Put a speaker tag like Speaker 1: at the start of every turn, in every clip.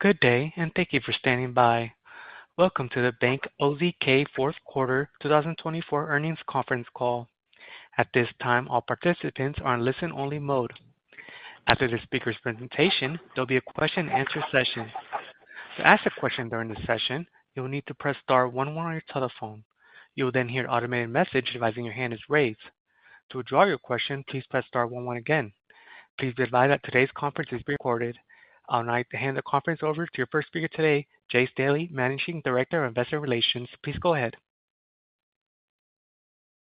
Speaker 1: Good day, and thank you for standing by. Welcome to the Bank OZK Q4 2024 Earnings Conference call. At this time, all participants are in listen-only mode. After the speaker's presentation, there'll be a question-and-answer session. To ask a question during this session, you'll need to press star one one on your telephone. You'll then hear an automated message advising your hand is raised. To withdraw your question, please press star one one again. Please be advised that today's conference is being recorded. I would now like to hand the conference over to your first speaker today, Jay Staley, Managing Director of Investor Relations. Please go ahead.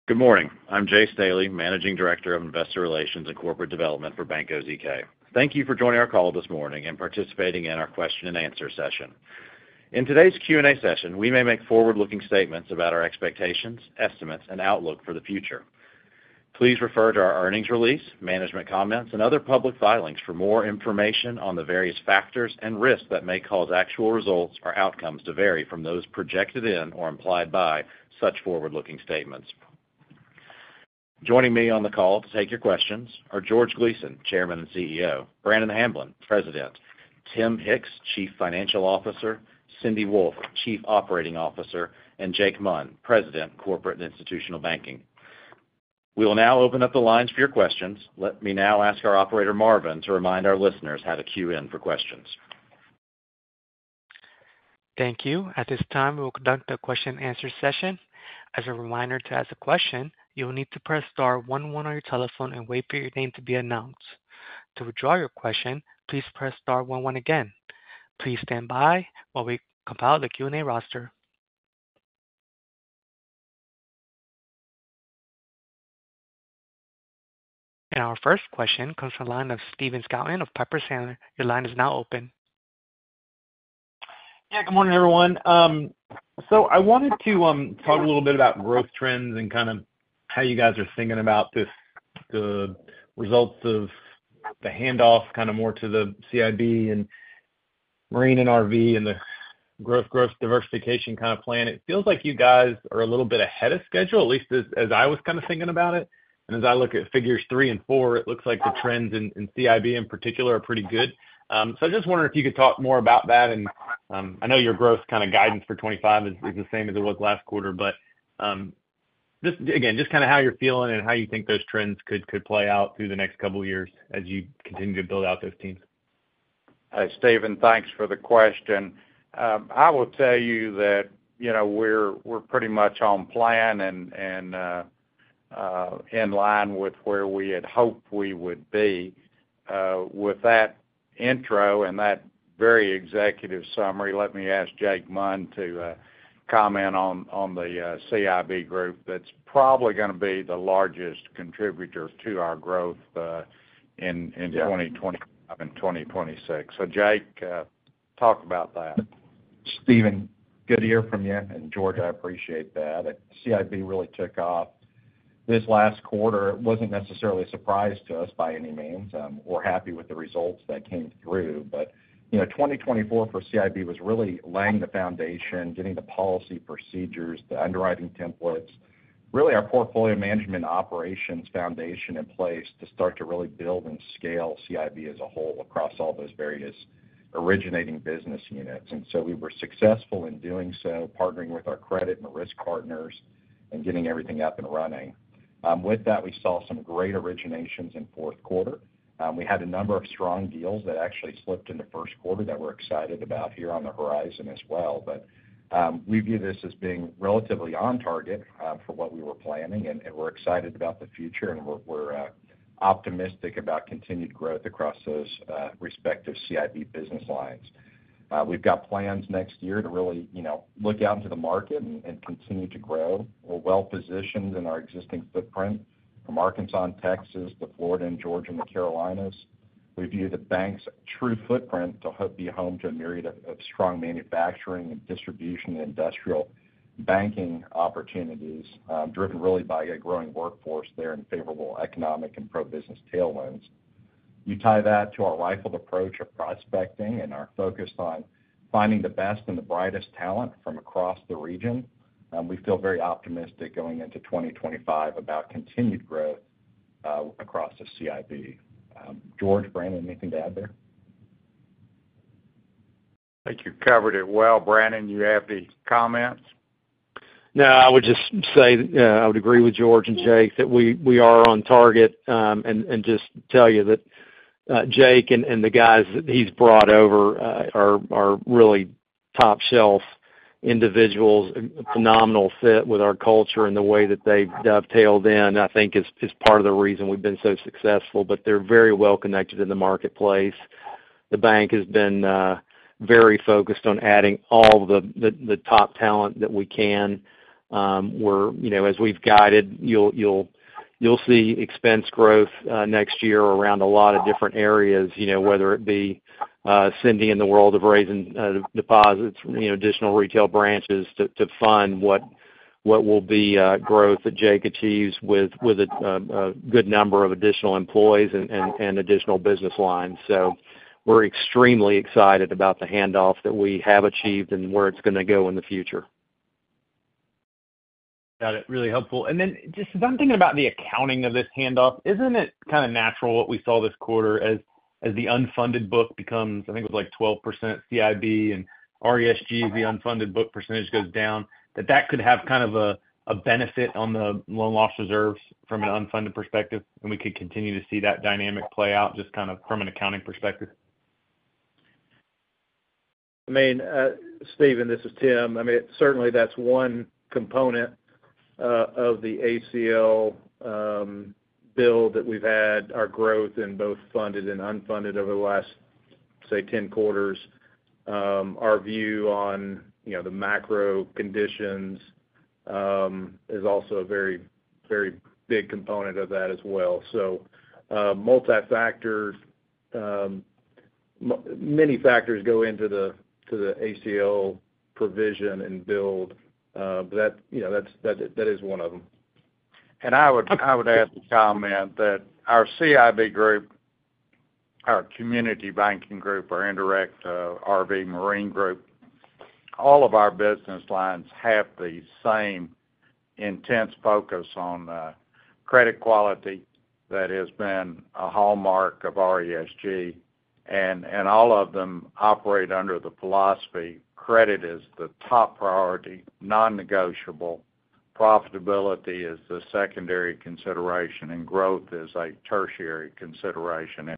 Speaker 2: Good morning. I'm Jay Staley, Managing Director of Investor Relations and Corporate Development for Bank OZK. Thank you for joining our call this morning and participating in our question-and-answer session. In today's Q&A session, we may make forward-looking statements about our expectations, estimates, and outlook for the future. Please refer to our earnings release, management comments, and other public filings for more information on the various factors and risks that may cause actual results or outcomes to vary from those projected in or implied by such forward-looking statements. Joining me on the call to take your questions are George Gleason, Chairman and CEO, Brannon Hamblen, President, Tim Hicks, Chief Financial Officer, Cindy Wolfe, Chief Operating Officer, and Jake Munn, President, Corporate and Institutional Banking. We will now open up the lines for your questions. Let me now ask our operator, Marvin, to remind our listeners how to queue in for questions.
Speaker 1: Thank you. At this time, we will conduct a question-and-answer session. As a reminder to ask a question, you'll need to press star 11 on your telephone and wait for your name to be announced. To withdraw your question, please press star one one again. Please stand by while we compile the Q&A roster, and our first question comes from the line of Stephen Scouten of Piper Sandler. Your line is now open.
Speaker 3: Yeah, good morning, everyone, so I wanted to talk a little bit about growth trends and kind of how you guys are thinking about this, the results of the handoff kind of more to the CIB and Marine and RV and the growth diversification kind of plan. It feels like you guys are a little bit ahead of schedule, at least as I was kind of thinking about it, and as I look at figures three and four, it looks like the trends in CIB in particular are pretty good, so I just wondered if you could talk more about that. I know your growth kind of guidance for 2025 is the same as it was last quarter, but just, again, just kind of how you're feeling and how you think those trends could play out through the next couple of years as you continue to build out those teams.
Speaker 4: Hey, Stephen, thanks for the question. I will tell you that, you know, we're pretty much on plan and in line with where we had hoped we would be. With that intro and that very executive summary, let me ask Jake Munn to comment on the CIB group. That's probably gonna be the largest contributor to our growth in 2025 and 2026. So Jake, talk about that.
Speaker 5: Steven, good to hear from you, and George, I appreciate that. CIB really took off this last quarter. It wasn't necessarily a surprise to us by any means. We're happy with the results that came through, but you know, 2024 for CIB was really laying the foundation, getting the policy procedures, the underwriting templates, really our portfolio management operations foundation in place to start to really build and scale CIB as a whole across all those various originating business units, and so we were successful in doing so, partnering with our credit and risk partners and getting everything up and running. With that, we saw some great originations in Q4. We had a number of strong deals that actually slipped into Q1 that we're excited about here on the horizon as well. We view this as being relatively on target for what we were planning, and we're excited about the future, and we're optimistic about continued growth across those respective CIB business lines. We've got plans next year to really, you know, look out into the market and continue to grow. We're well-positioned in our existing footprint from Arkansas, Texas, to Florida and Georgia and the Carolinas. We view the bank's true footprint to be home to a myriad of strong manufacturing and distribution and industrial banking opportunities, driven really by a growing workforce there and favorable economic and pro-business tailwinds. You tie that to our rifled approach of prospecting and our focus on finding the best and the brightest talent from across the region. We feel very optimistic going into 2025 about continued growth across the CIB. George, Brannon, anything to add there?
Speaker 4: Think you covered it well. Brannon, you have any comments?
Speaker 6: No, I would just say that, I would agree with George and Jake that we are on target. And just tell you that, Jake and the guys that he's brought over are really top-shelf individuals, a phenomenal fit with our culture and the way that they've dovetailed in, I think is part of the reason we've been so successful. But they're very well-connected in the marketplace. The bank has been very focused on adding all the top talent that we can. We're, you know, as we've guided, you'll see expense growth next year around a lot of different areas, you know, whether it be Cindy in the world of raising deposits, you know, additional retail branches to fund what will be growth that Jake achieves with a good number of additional employees and additional business lines. So we're extremely excited about the handoff that we have achieved and where it's gonna go in the future.
Speaker 3: Got it. Really helpful. And then just 'cause I'm thinking about the accounting of this handoff, isn't it kind of natural what we saw this quarter as the unfunded book becomes, I think it was like 12% CIB and RESG, the unfunded book percentage goes down, that could have kind of a benefit on the loan loss reserves from an unfunded perspective? And we could continue to see that dynamic play out just kind of from an accounting perspective.
Speaker 7: I mean, Stephen, this is Tim. I mean, certainly that's one component of the ACL build that we've had, our growth in both funded and unfunded over the last, say, 10 quarters. Our view on, you know, the macro conditions is also a very, very big component of that as well. So, multifactor, many factors go into the, to the ACL provision and build. That, you know, that's, that, that is one of them.
Speaker 4: I would, I would add the comment that our CIB group, our community banking group, our indirect RV and marine group, all of our business lines have the same intense focus on credit quality that has been a hallmark of RESG. And, and all of them operate under the philosophy, credit is the top priority, non-negotiable. Profitability is the secondary consideration, and growth is a tertiary consideration.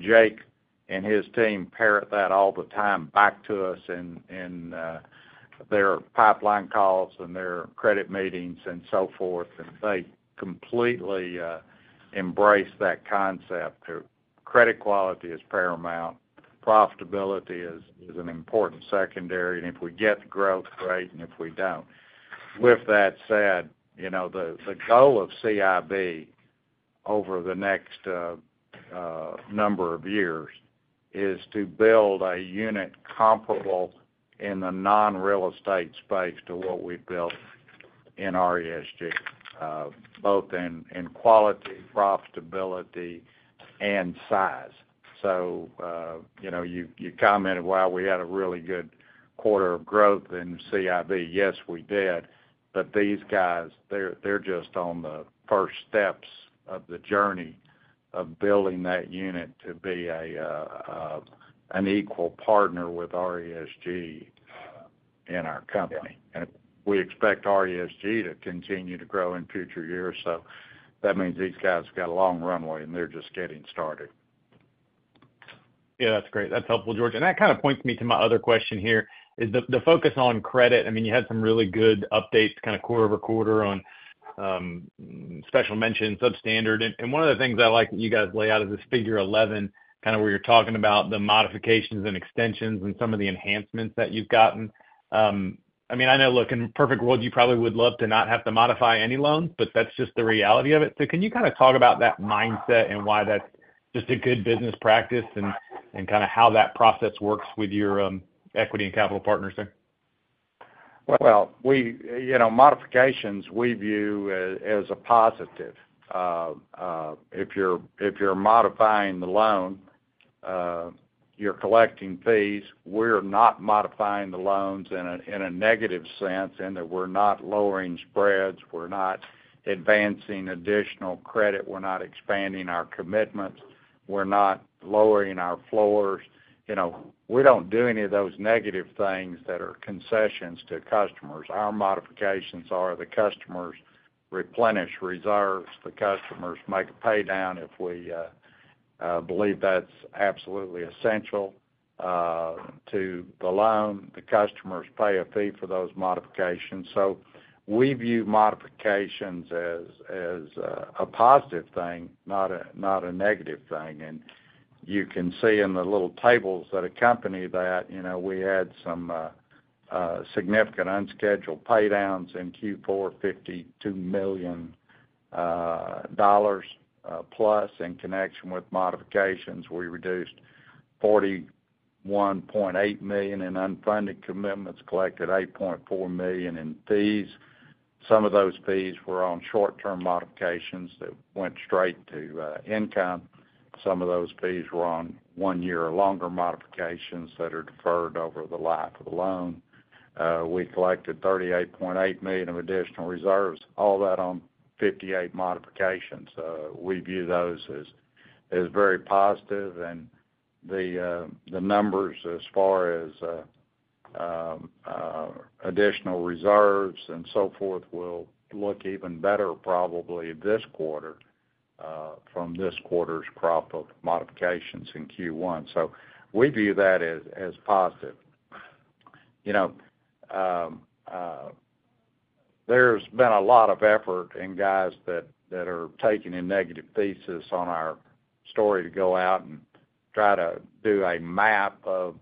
Speaker 4: Jake and his team parrot that all the time back to us in their pipeline calls and their credit meetings and so forth. And they completely embrace that concept that credit quality is paramount. Profitability is an important secondary. And if we get growth, great. And if we don't. With that said, you know, the goal of CIB over the next number of years is to build a unit comparable in the non-real estate space to what we've built in RESG, both in quality, profitability, and size. So, you know, you commented, wow, we had a really good quarter of growth in CIB. Yes, we did. But these guys, they're just on the first steps of the journey of building that unit to be an equal partner with RESG in our company. We expect RESG to continue to grow in future years. That means these guys have got a long runway, and they're just getting started.
Speaker 3: Yeah, that's great. That's helpful, George. And that kind of points me to my other question here, is the focus on credit. I mean, you had some really good updates kind of quarter-over-quarter on special mentions, substandard. And one of the things I like that you guys lay out is this Figure 11, kind of where you're talking about the modifications and extensions and some of the enhancements that you've gotten. I mean, I know, look, in a perfect world, you probably would love to not have to modify any loans, but that's just the reality of it. So can you kind of talk about that mindset and why that's just a good business practice and kind of how that process works with your equity and capital partners there?
Speaker 4: We, you know, modifications we view as a positive. If you're modifying the loan, you're collecting fees. We're not modifying the loans in a negative sense in that we're not lowering spreads. We're not advancing additional credit. We're not expanding our commitments. We're not lowering our floors. You know, we don't do any of those negative things that are concessions to customers. Our modifications are the customers replenish reserves. The customers make a paydown if we believe that's absolutely essential to the loan. The customers pay a fee for those modifications. So we view modifications as a positive thing, not a negative thing. And you can see in the little tables that accompany that, you know, we had significant unscheduled paydowns in Q4, $52 million plus. In connection with modifications, we reduced $41.8 million in unfunded commitments, collected $8.4 million in fees. Some of those fees were on short-term modifications that went straight to income. Some of those fees were on one-year or longer modifications that are deferred over the life of the loan. We collected $38.8 million of additional reserves, all that on 58 modifications. We view those as very positive. The numbers as far as additional reserves and so forth will look even better probably this quarter from this quarter's crop of modifications in Q1. We view that as positive. You know, there's been a lot of effort and guys that are taking a negative thesis on our story to go out and try to do a map of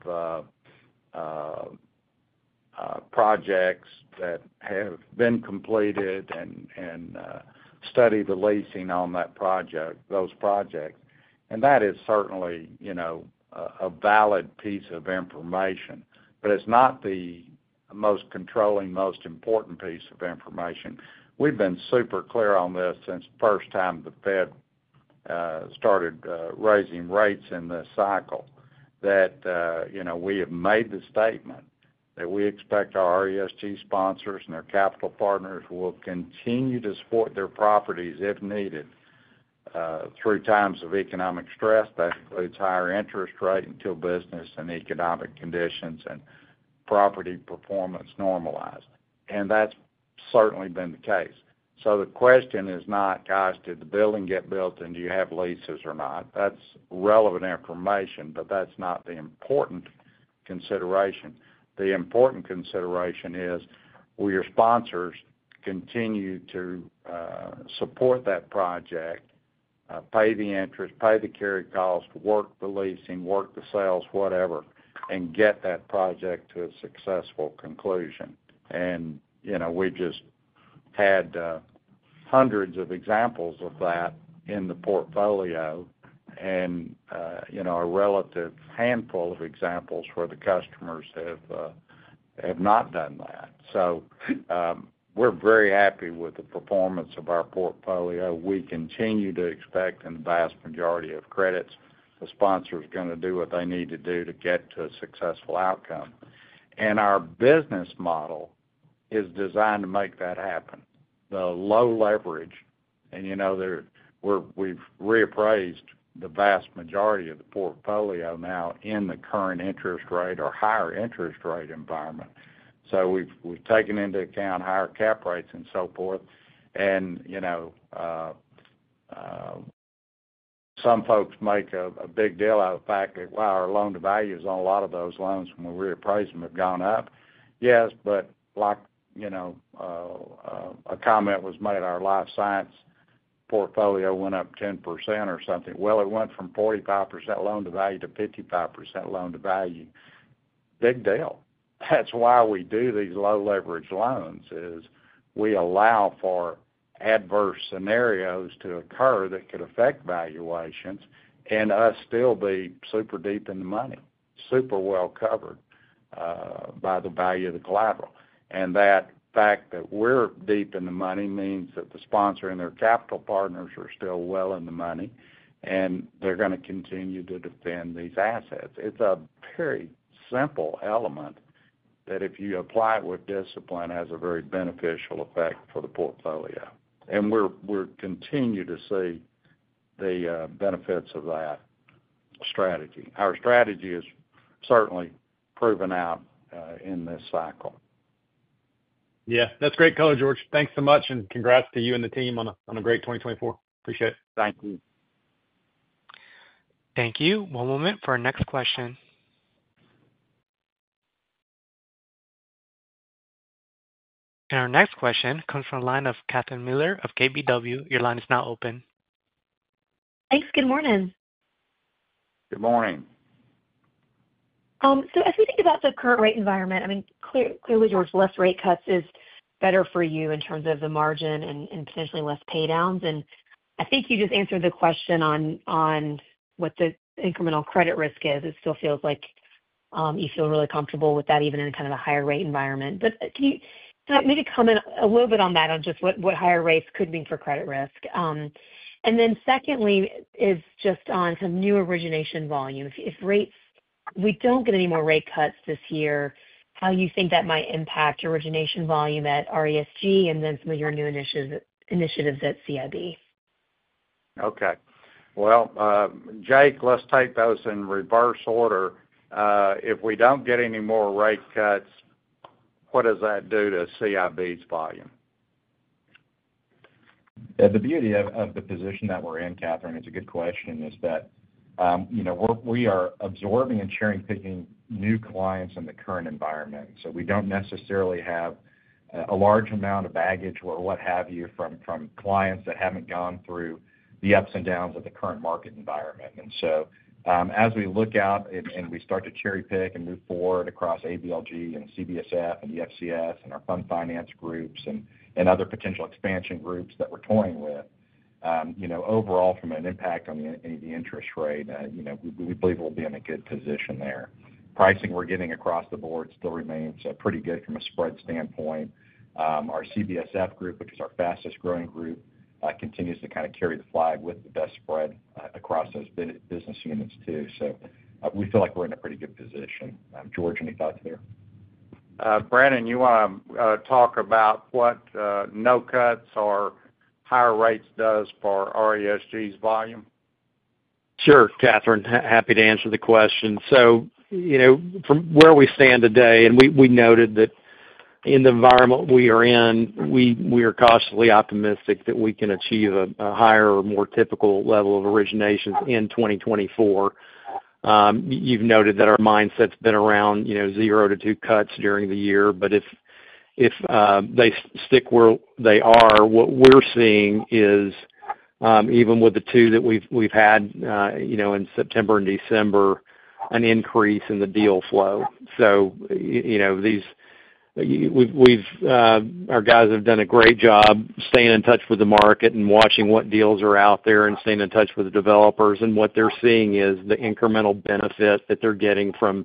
Speaker 4: projects that have been completed and study the leasing on those projects. That is certainly, you know, a valid piece of information, but it's not the most controlling, most important piece of information. We've been super clear on this since the first time the Fed started raising rates in this cycle that, you know, we have made the statement that we expect our RESG sponsors and our capital partners will continue to support their properties if needed, through times of economic stress. That includes higher interest rate until business and economic conditions and property performance normalized. That's certainly been the case. The question is not, guys, did the building get built and do you have leases or not? That's relevant information, but that's not the important consideration. The important consideration is will your sponsors continue to support that project, pay the interest, pay the carry cost, work the leasing, work the sales, whatever, and get that project to a successful conclusion? You know, we just had hundreds of examples of that in the portfolio and, you know, a relative handful of examples where the customers have not done that. So, we're very happy with the performance of our portfolio. We continue to expect in the vast majority of credits the sponsor's gonna do what they need to do to get to a successful outcome. And our business model is designed to make that happen. The low leverage, and you know, there we've reappraised the vast majority of the portfolio now in the current interest rate or higher interest rate environment. So we've taken into account higher cap rates and so forth. You know, some folks make a big deal out of the fact that, wow, our loan to value is on a lot of those loans when we reappraise them have gone up. Yes, but like, you know, a comment was made, our life science portfolio went up 10% or something. Well, it went from 45% loan-to-value to 55% loan-to-value. Big deal. That's why we do these low leverage loans is we allow for adverse scenarios to occur that could affect valuations and us still be super deep in the money, super well covered, by the value of the collateral. That fact that we're deep in the money means that the sponsor and their capital partners are still well in the money, and they're gonna continue to defend these assets. It's a very simple element that if you apply it with discipline has a very beneficial effect for the portfolio, and we're continuing to see the benefits of that strategy. Our strategy is certainly proven out in this cycle.
Speaker 3: Yeah. That's great color, George. Thanks so much. And congrats to you and the team on a great 2024. Appreciate it. Thank you.
Speaker 1: Thank you. One moment for our next question, and our next question comes from the line of Catherine Mealor of KBW. Your line is now open.
Speaker 8: Thanks. Good morning.
Speaker 4: Good morning.
Speaker 8: So as we think about the current rate environment, I mean, clearly, George, less rate cuts is better for you in terms of the margin and potentially less paydowns. And I think you just answered the question on what the incremental credit risk is. It still feels like you feel really comfortable with that even in kind of a higher rate environment. But can you maybe comment a little bit on that, on just what higher rates could mean for credit risk? And then secondly is just on some new origination volume. If rates we don't get any more rate cuts this year, how do you think that might impact origination volume at RESG and then some of your new initiatives at CIB?
Speaker 4: Okay. Well, Jake, let's take those in reverse order. If we don't get any more rate cuts, what does that do to CIB's volume?
Speaker 5: Yeah. The beauty of, of the position that we're in, Catherine, it's a good question is that, you know, we're, we are absorbing and cherry-picking new clients in the current environment. So we don't necessarily have a, a large amount of baggage or what have you from, from clients that haven't gone through the ups and downs of the current market environment. And so, as we look out and, and we start to cherry-pick and move forward across ABLG and CBSF and EFCS and our Fund Finance groups and, and other potential expansion groups that we're toying with, you know, overall from an impact on the, the interest rate, you know, we, we believe we'll be in a good position there. Pricing we're getting across the board still remains pretty good from a spread standpoint. Our CBSF group, which is our fastest growing group, continues to kind of carry the flag with the best spread across those business units too. So, we feel like we're in a pretty good position. George, any thoughts there?
Speaker 4: Brannon, you wanna talk about what no cuts or higher rates does for RESG's volume?
Speaker 6: Sure, Catherine. Happy to answer the question. So, you know, from where we stand today, and we noted that in the environment we are in, we are cautiously optimistic that we can achieve a higher or more typical level of originations in 2024. You've noted that our mindset's been around, you know, zero-to-two cuts during the year. But if they stick where they are, what we're seeing is, even with the two that we've had, you know, in September and December, an increase in the deal flow. So, you know, these, you know, our guys have done a great job staying in touch with the market and watching what deals are out there and staying in touch with the developers. And what they're seeing is the incremental benefit that they're getting from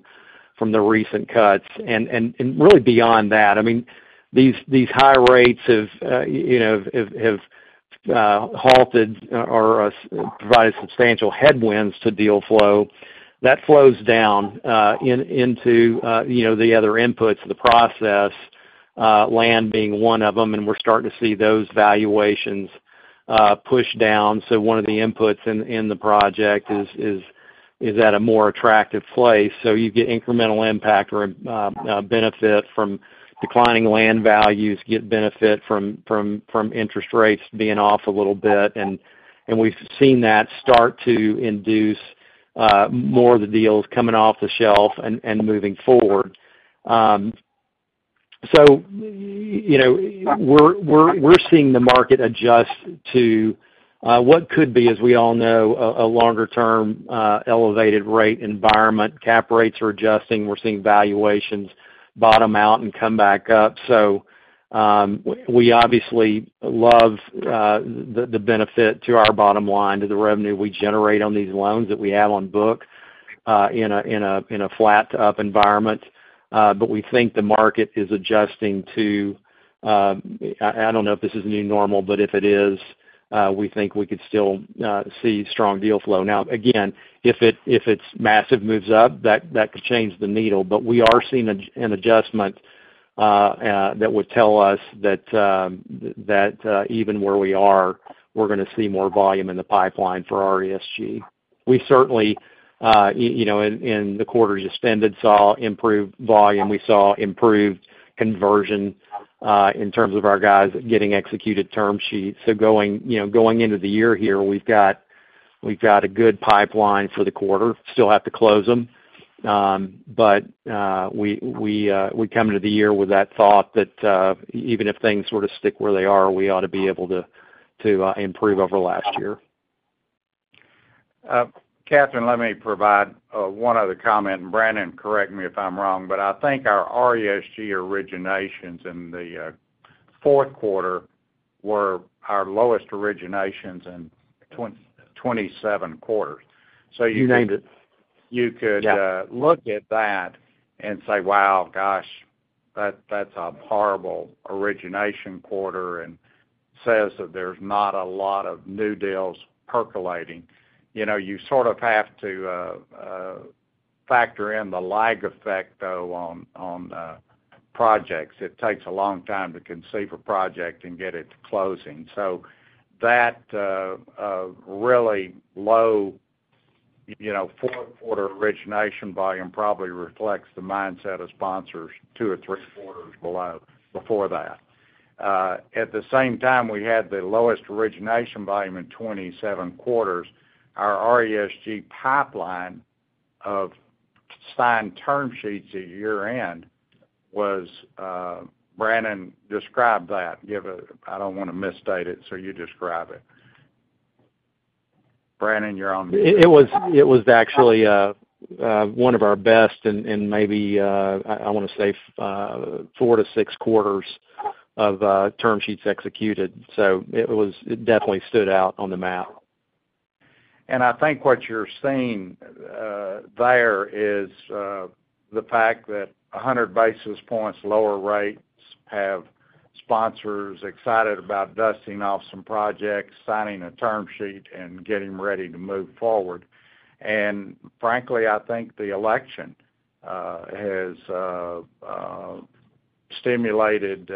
Speaker 6: the recent cuts. Really beyond that, I mean, these high rates have, you know, halted or provided substantial headwinds to deal flow. That flows down into, you know, the other inputs of the process, land being one of them. We're starting to see those valuations push down. One of the inputs in the project is at a more attractive place. You get incremental impact or benefit from declining land values, get benefit from interest rates being off a little bit. We've seen that start to induce more of the deals coming off the shelf and moving forward. You know, we're seeing the market adjust to what could be, as we all know, a longer-term elevated rate environment. Cap rates are adjusting. We're seeing valuations bottom out and come back up. So, we obviously love the benefit to our bottom line, to the revenue we generate on these loans that we have on book, in a flat-up environment. But we think the market is adjusting to. I don't know if this is new normal, but if it is, we think we could still see strong deal flow. Now, again, if it's massive moves up, that could change the needle. But we are seeing an adjustment that would tell us that even where we are, we're gonna see more volume in the pipeline for RESG. We certainly you know, in the quarters extended saw improved volume. We saw improved conversion, in terms of our guys getting executed term sheets. So going you know, going into the year here, we've got a good pipeline for the quarter. Still have to close them, but we come into the year with that thought that, even if things sort of stick where they are, we ought to be able to improve over last year.
Speaker 4: Catherine, let me provide one other comment, and Brannon, correct me if I'm wrong, but I think our RESG originations in the Q4 were our lowest originations in 27 quarters.
Speaker 6: You named it.
Speaker 4: You could look at that and say, "Wow, gosh, that's a horrible origination quarter," and says that there's not a lot of new deals percolating. You know, you sort of have to factor in the lag effect though on projects. It takes a long time to conceive a project and get it to closing. So that really low, you know, Q4 origination volume probably reflects the mindset of sponsors two or three quarters below before that. At the same time, we had the lowest origination volume in 27 quarters. Our RESG pipeline of signed term sheets at year end was, Brannon described that. I don't wanna misstate it, so you describe it. Brannon, you're on mute.
Speaker 6: It was actually one of our best in maybe I wanna say four to six quarters of term sheets executed. So it was, it definitely stood out on the map.
Speaker 4: And I think what you're seeing is the fact that 100 basis points lower rates have sponsors excited about dusting off some projects, signing a term sheet, and getting ready to move forward. And frankly, I think the election has stimulated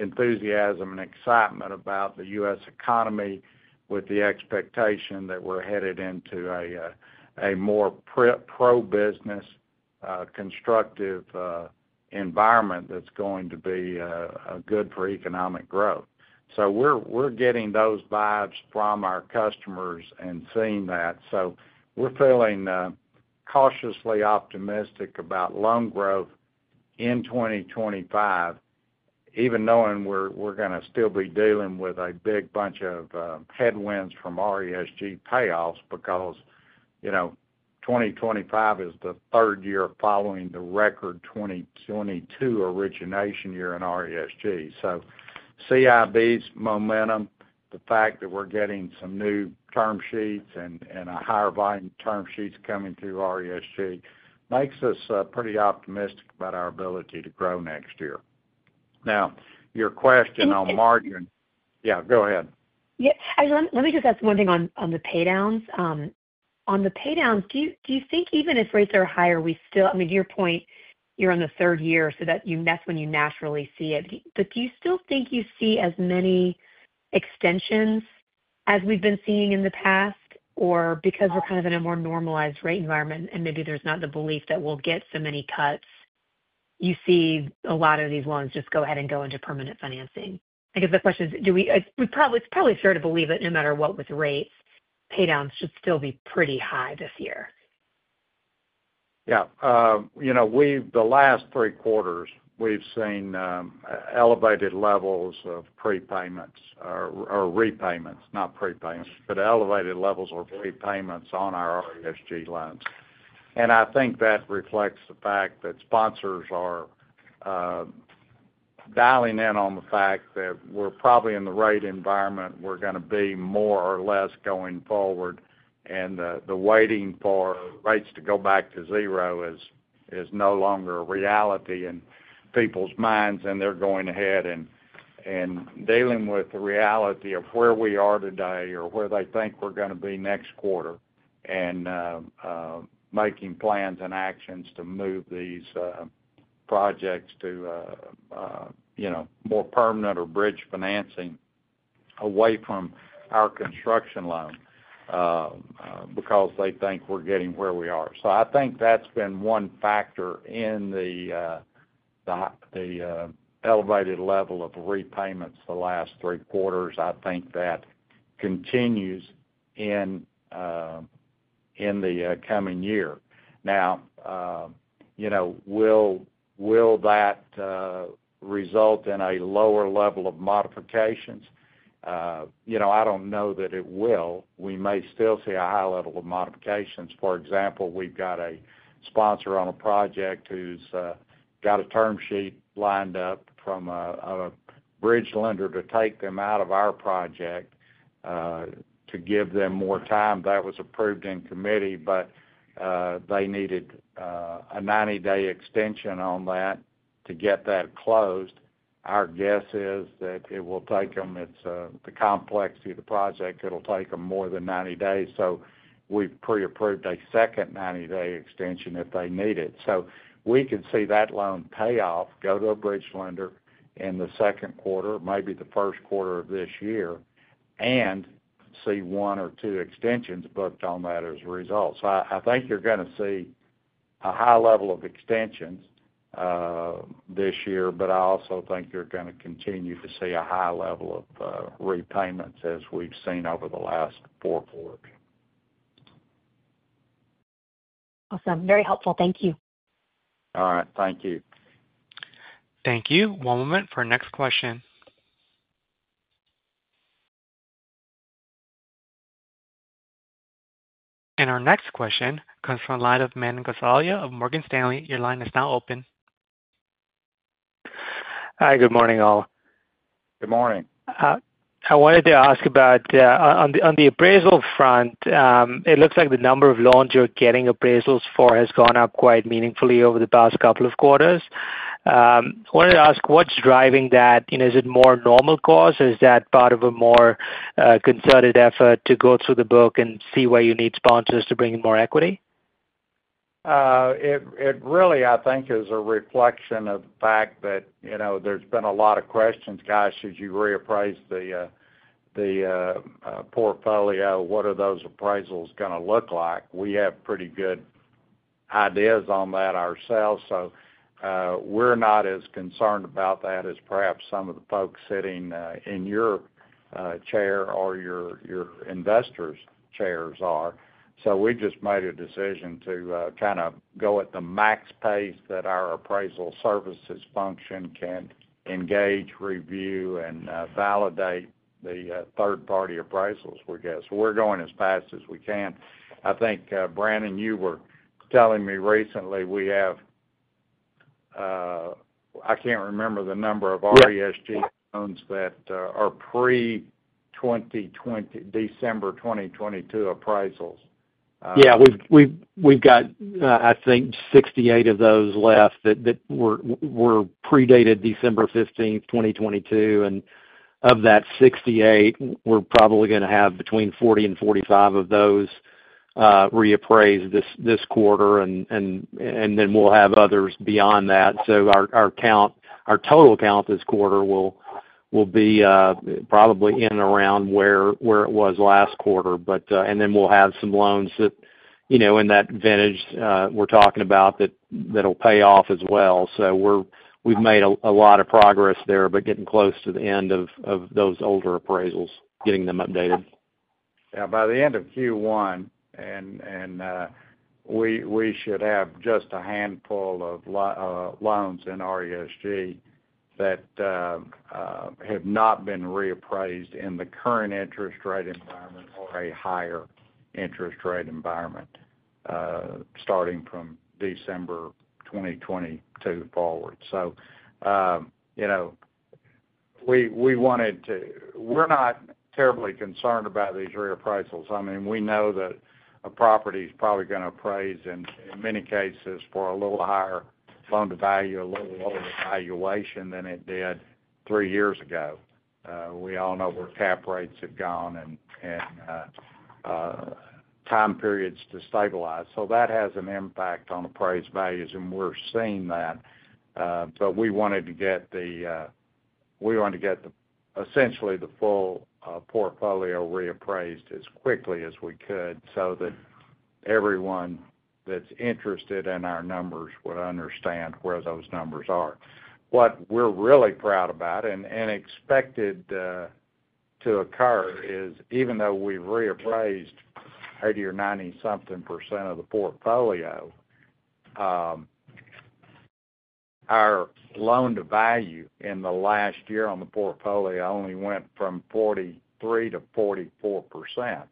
Speaker 4: enthusiasm and excitement about the U.S. economy with the expectation that we're headed into a more pro-business, constructive environment that's going to be good for economic growth. So we're getting those vibes from our customers and seeing that. So we're feeling cautiously optimistic about loan growth in 2025, even knowing we're gonna still be dealing with a big bunch of headwinds from RESG payoffs because, you know, 2025 is the third year following the record 2022 origination year in RESG. So CIB's momentum, the fact that we're getting some new term sheets and a higher volume term sheets coming through RESG makes us pretty optimistic about our ability to grow next year. Now, your question on margin. And. Yeah, go ahead.
Speaker 8: Yeah. I just wanted, let me just ask one thing on the paydowns. Do you think even if rates are higher, we still, I mean, to your point, you're on the third year, so that's when you naturally see it. But do you still think you see as many extensions as we've been seeing in the past or because we're kind of in a more normalized rate environment and maybe there's not the belief that we'll get so many cuts, you see a lot of these loans just go ahead and go into permanent financing? I guess the question is, it's probably fair to believe that no matter what with rates, paydowns should still be pretty high this year.
Speaker 4: Yeah. You know, we've the last three quarters, we've seen elevated levels of prepayments or repayments, not prepayments, but elevated levels of repayments on our RESG loans. I think that reflects the fact that sponsors are dialing in on the fact that we're probably in the right environment. We're gonna be more or less going forward, and the waiting for rates to go back to zero is no longer a reality in people's minds. And they're going ahead and dealing with the reality of where we are today or where they think we're gonna be next quarter and making plans and actions to move these projects to, you know, more permanent or bridge financing away from our construction loan, because they think we're getting where we are. I think that's been one factor in the elevated level of repayments the last three quarters. I think that continues in the coming year. Now, you know, will that result in a lower level of modifications? You know, I don't know that it will. We may still see a high level of modifications. For example, we've got a sponsor on a project who's got a term sheet lined up from a bridge lender to take them out of our project, to give them more time. That was approved in committee, but they needed a 90-day extension on that to get that closed. Our guess is that it will take them. It's the complexity of the project. It'll take them more than 90 days. So we've pre-approved a second 90-day extension if they need it. So we could see that loan payoff go to a bridge lender in the Q2, maybe the Q1 of this year, and see one or two extensions booked on that as a result. So I think you're gonna see a high level of extensions this year, but I also think you're gonna continue to see a high level of repayments as we've seen over the last four quarters.
Speaker 8: Awesome. Very helpful. Thank you.
Speaker 4: All right. Thank you.
Speaker 1: Thank you. One moment for our next question. And our next question comes from line of Manan Gosalia of Morgan Stanley. Your line is now open.
Speaker 9: Hi. Good morning, all.
Speaker 4: Good morning.
Speaker 9: I wanted to ask about, on the appraisal front, it looks like the number of loans you're getting appraisals for has gone up quite meaningfully over the past couple of quarters. I wanted to ask what's driving that? You know, is it more normal costs or is that part of a more, concerted effort to go through the book and see where you need sponsors to bring in more equity?
Speaker 4: It really, I think, is a reflection of the fact that, you know, there's been a lot of questions, "Gosh, should you reappraise the portfolio? What are those appraisals gonna look like?" We have pretty good ideas on that ourselves. So, we're not as concerned about that as perhaps some of the folks sitting in your chair or your investors' chairs are. So we just made a decision to kind of go at the max pace that our appraisal services function can engage, review, and validate the third-party appraisals, we guess. We're going as fast as we can. I think, Brannon, you were telling me recently we have, I can't remember the number of RESG.
Speaker 9: Right.
Speaker 4: Loans that are pre-2020 December 2022 appraisals.
Speaker 6: Yeah. We've got, I think 68 of those left that were predated December 15th, 2022. And of that 68, we're probably gonna have between 40 and 45 of those reappraised this quarter. And then we'll have others beyond that. So our count, our total count this quarter will be probably in and around where it was last quarter. But then we'll have some loans that, you know, in that vintage we're talking about that'll pay off as well. So we've made a lot of progress there, but getting close to the end of those older appraisals, getting them updated.
Speaker 4: Yeah. By the end of Q1, we should have just a handful of loans in RESG that have not been reappraised in the current interest rate environment or a higher interest rate environment, starting from December 2022 forward. So, you know, we wanted to. We're not terribly concerned about these reappraisals. I mean, we know that a property's probably gonna appraise in many cases for a little higher loan to value, a little lower valuation than it did three years ago. We all know where cap rates have gone and time periods to stabilize. So that has an impact on appraised values, and we're seeing that. But we wanted to get essentially the full portfolio reappraised as quickly as we could so that everyone that's interested in our numbers would understand where those numbers are. What we're really proud about and expected to occur is even though we've reappraised 80% or 90-something% of the portfolio, our loan-to-value in the last year on the portfolio only went from 43%-44%.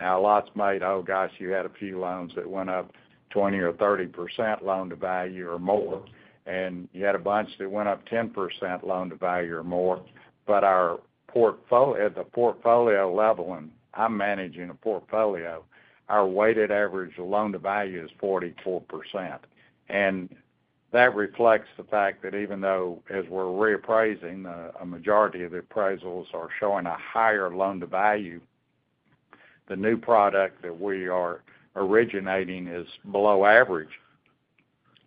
Speaker 4: Now, lots said, "Oh gosh, you had a few loans that went up 20% or 30% loan-to-value or more," and you had a bunch that went up 10% loan-to-value or more, but our portfolio, at the portfolio level, and I'm managing a portfolio, our weighted average loan-to-value is 44%, and that reflects the fact that even though, as we're reappraising, a majority of the appraisals are showing a higher loan-to-value, the new product that we are originating is below-average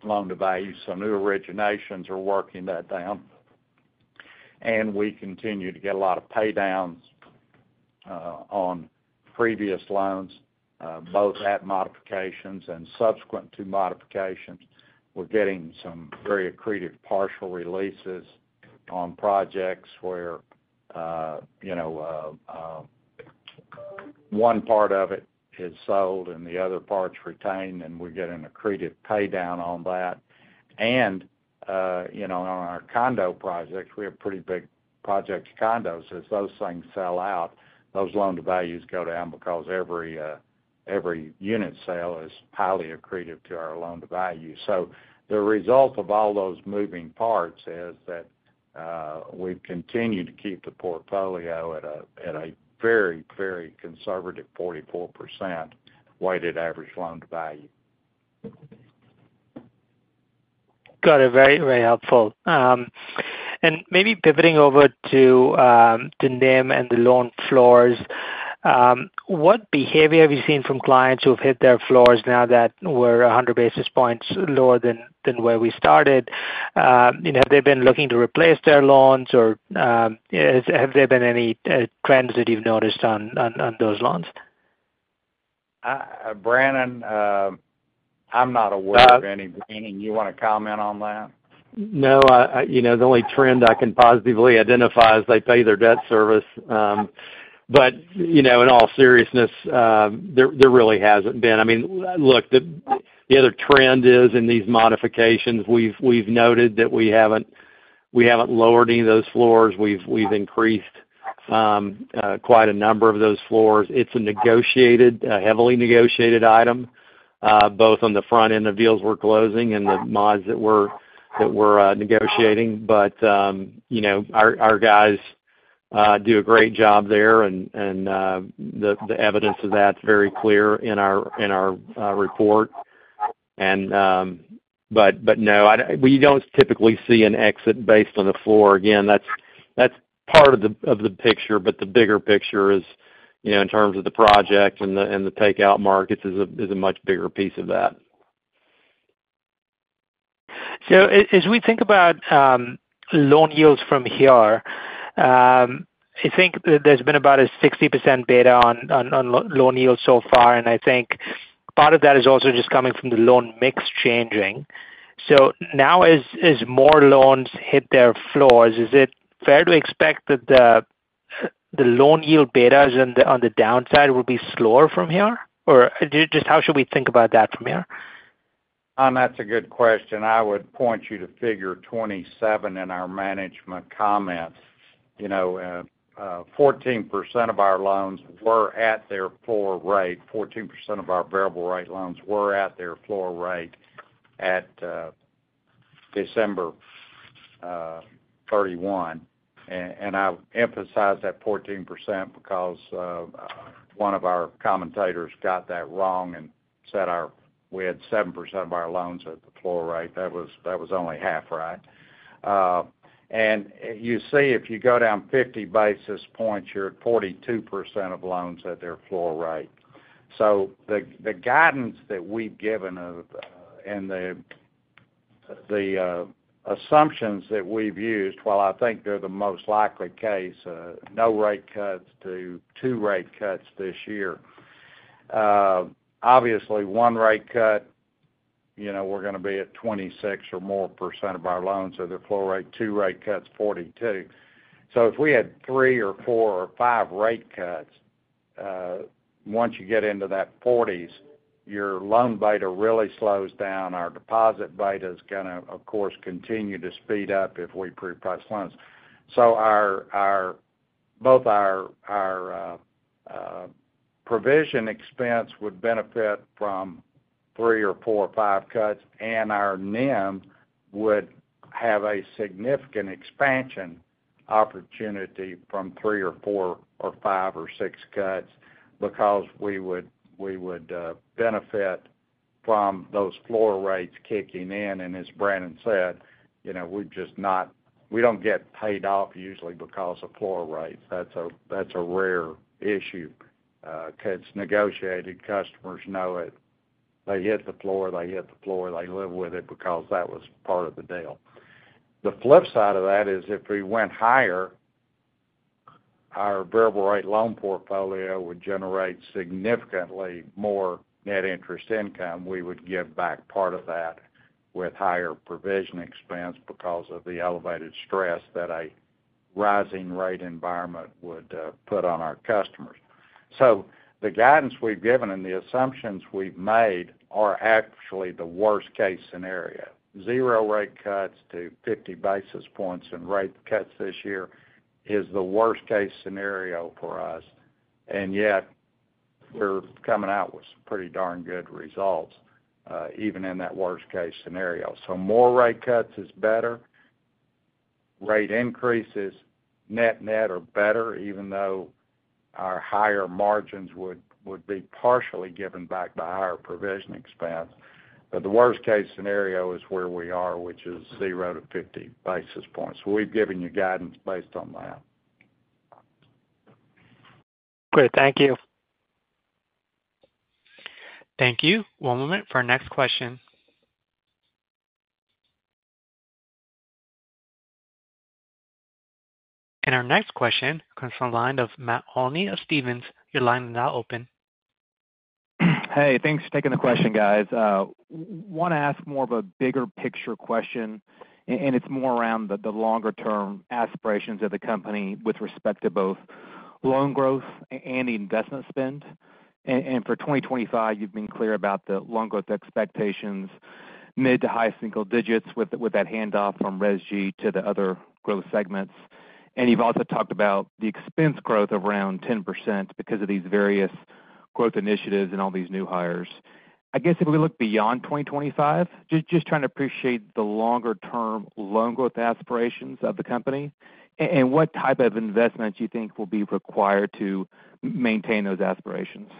Speaker 4: loan-to-value, so new originations are working that down. We continue to get a lot of paydowns on previous loans, both at modifications and subsequent to modifications. We're getting some very accretive partial releases on projects where, you know, one part of it is sold and the other part's retained, and we get an accretive paydown on that. You know, on our condo projects, we have pretty big projects, condos. As those things sell out, those loan-to-values go down because every, every unit sale is highly accretive to our loan-to-value. The result of all those moving parts is that we've continued to keep the portfolio at a very, very conservative 44% weighted average loan-to-value.
Speaker 9: Got it. Very, very helpful. And maybe pivoting over to NIM and the loan floors, what behavior have you seen from clients who have hit their floors now that we're 100 basis points lower than where we started? You know, have they been looking to replace their loans or has there been any trends that you've noticed on those loans?
Speaker 4: Brannon, I'm not aware of any. You wanna comment on that?
Speaker 6: No, you know, the only trend I can positively identify is they pay their debt service. But you know, in all seriousness, there really hasn't been. I mean, look, the other trend is in these modifications, we've noted that we haven't lowered any of those floors. We've increased quite a number of those floors. It's a negotiated, heavily negotiated item, both on the front end of deals we're closing and the mods that we're negotiating. But you know, our guys do a great job there. And the evidence of that's very clear in our report. But no, we don't typically see an exit based on the floor. Again, that's part of the picture. But the bigger picture is, you know, in terms of the project and the takeout markets is a much bigger piece of that.
Speaker 9: So as we think about loan yields from here, I think that there's been about a 60% beta on loan yields so far. And I think part of that is also just coming from the loan mix changing. So now as more loans hit their floors, is it fair to expect that the loan yield betas on the downside will be slower from here? Or just how should we think about that from here?
Speaker 4: That's a good question. I would point you to Figure 27 in our management comments. You know, 14% of our loans were at their floor rate. 14% of our variable rate loans were at their floor rate at December 31, 2024. And I emphasize that 14% because one of our commentators got that wrong and said we had 7% of our loans at the floor rate. That was only half right. You see if you go down 50 basis points, you're at 42% of loans at their floor rate. So the guidance that we've given and the assumptions that we've used, well, I think they're the most likely case, no rate cuts to two rate cuts this year. Obviously, one rate cut, you know, we're gonna be at 26% or more of our loans at their floor rate. Two rate cuts, 42%. So if we had three or four or five rate cuts, once you get into that 40%, your loan beta really slows down. Our deposit beta's gonna, of course, continue to speed up if we pre-price loans. So both our provision expense would benefit from three or four or five cuts, and our NIM would have a significant expansion opportunity from three or four or five or six cuts because we would benefit from those floor rates kicking in. And as Brannon said, you know, we just don't get paid off usually because of floor rates. That's a rare issue. 'Cause negotiated customers know it. They hit the floor, they hit the floor, they live with it because that was part of the deal. The flip side of that is if we went higher, our variable rate loan portfolio would generate significantly more net interest income. We would give back part of that with higher provision expense because of the elevated stress that a rising rate environment would put on our customers. So the guidance we've given and the assumptions we've made are actually the worst-case scenario. Zero rate cuts to 50 basis points and rate cuts this year is the worst-case scenario for us. And yet we're coming out with some pretty darn good results, even in that worst-case scenario. So more rate cuts is better. Rate increases, net-net are better even though our higher margins would be partially given back by higher provision expense. But the worst-case scenario is where we are, which is 0-50 basis points. So we've given you guidance based on that.
Speaker 9: Great. Thank you.
Speaker 1: Thank you. One moment for our next question. Our next question comes from the line of Matt Olney of Stephens. Your line is now open.
Speaker 10: Hey, thanks for taking the question, guys. Want to ask more of a bigger picture question. And it's more around the, the longer-term aspirations of the company with respect to both loan growth and the investment spend. And for 2025, you've been clear about the loan growth expectations, mid to high single digits with that handoff from RESG to the other growth segments. And you've also talked about the expense growth of around 10% because of these various growth initiatives and all these new hires. I guess if we look beyond 2025, just trying to appreciate the longer-term loan growth aspirations of the company and what type of investments you think will be required to maintain those aspirations.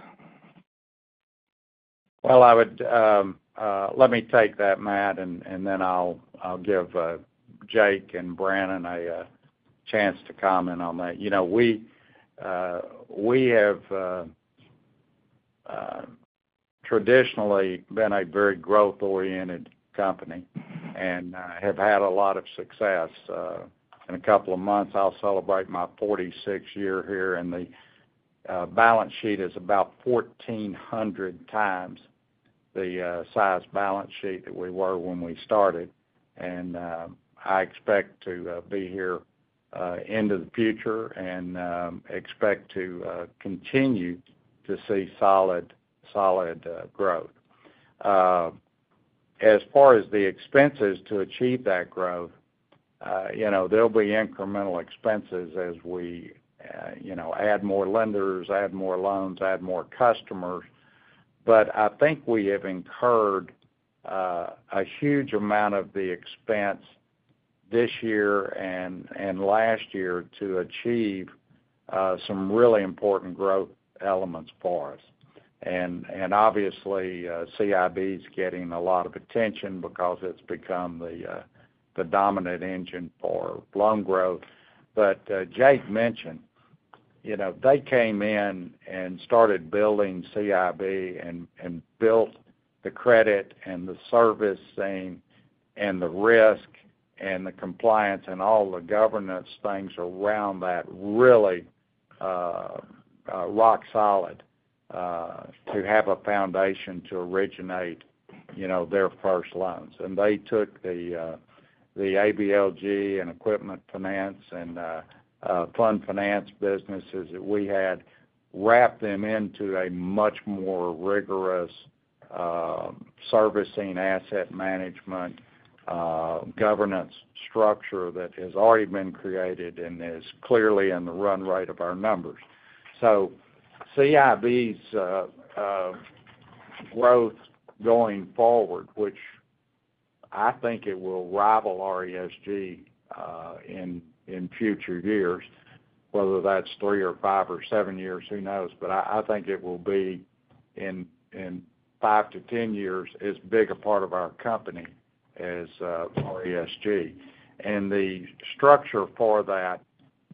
Speaker 4: Let me take that, Matt, and then I'll give Jake and Brannon a chance to comment on that. You know, we have traditionally been a very growth-oriented company and have had a lot of success. In a couple of months, I'll celebrate my 46th year here. And the balance sheet is about 1,400 times the size of the balance sheet that we were when we started. I expect to be here into the future and expect to continue to see solid growth. As far as the expenses to achieve that growth, you know, there'll be incremental expenses as we, you know, add more lenders, add more loans, add more customers. But I think we have incurred a huge amount of the expense this year and last year to achieve some really important growth elements for us. And obviously, CIB's getting a lot of attention because it's become the dominant engine for loan growth. But Jake mentioned, you know, they came in and started building CIB and built the credit and the servicing and the risk and the compliance and all the governance things around that really rock solid, to have a foundation to originate, you know, their first loans. And they took the ABLG and equipment finance and Fund Finance businesses that we had, wrapped them into a much more rigorous servicing asset management governance structure that has already been created and is clearly in the run rate of our numbers. So CIB's growth going forward, which I think it will rival RESG in future years, whether that's three or five or seven years, who knows. But I think it will be in 5-10 years as big a part of our company as RESG. And the structure for that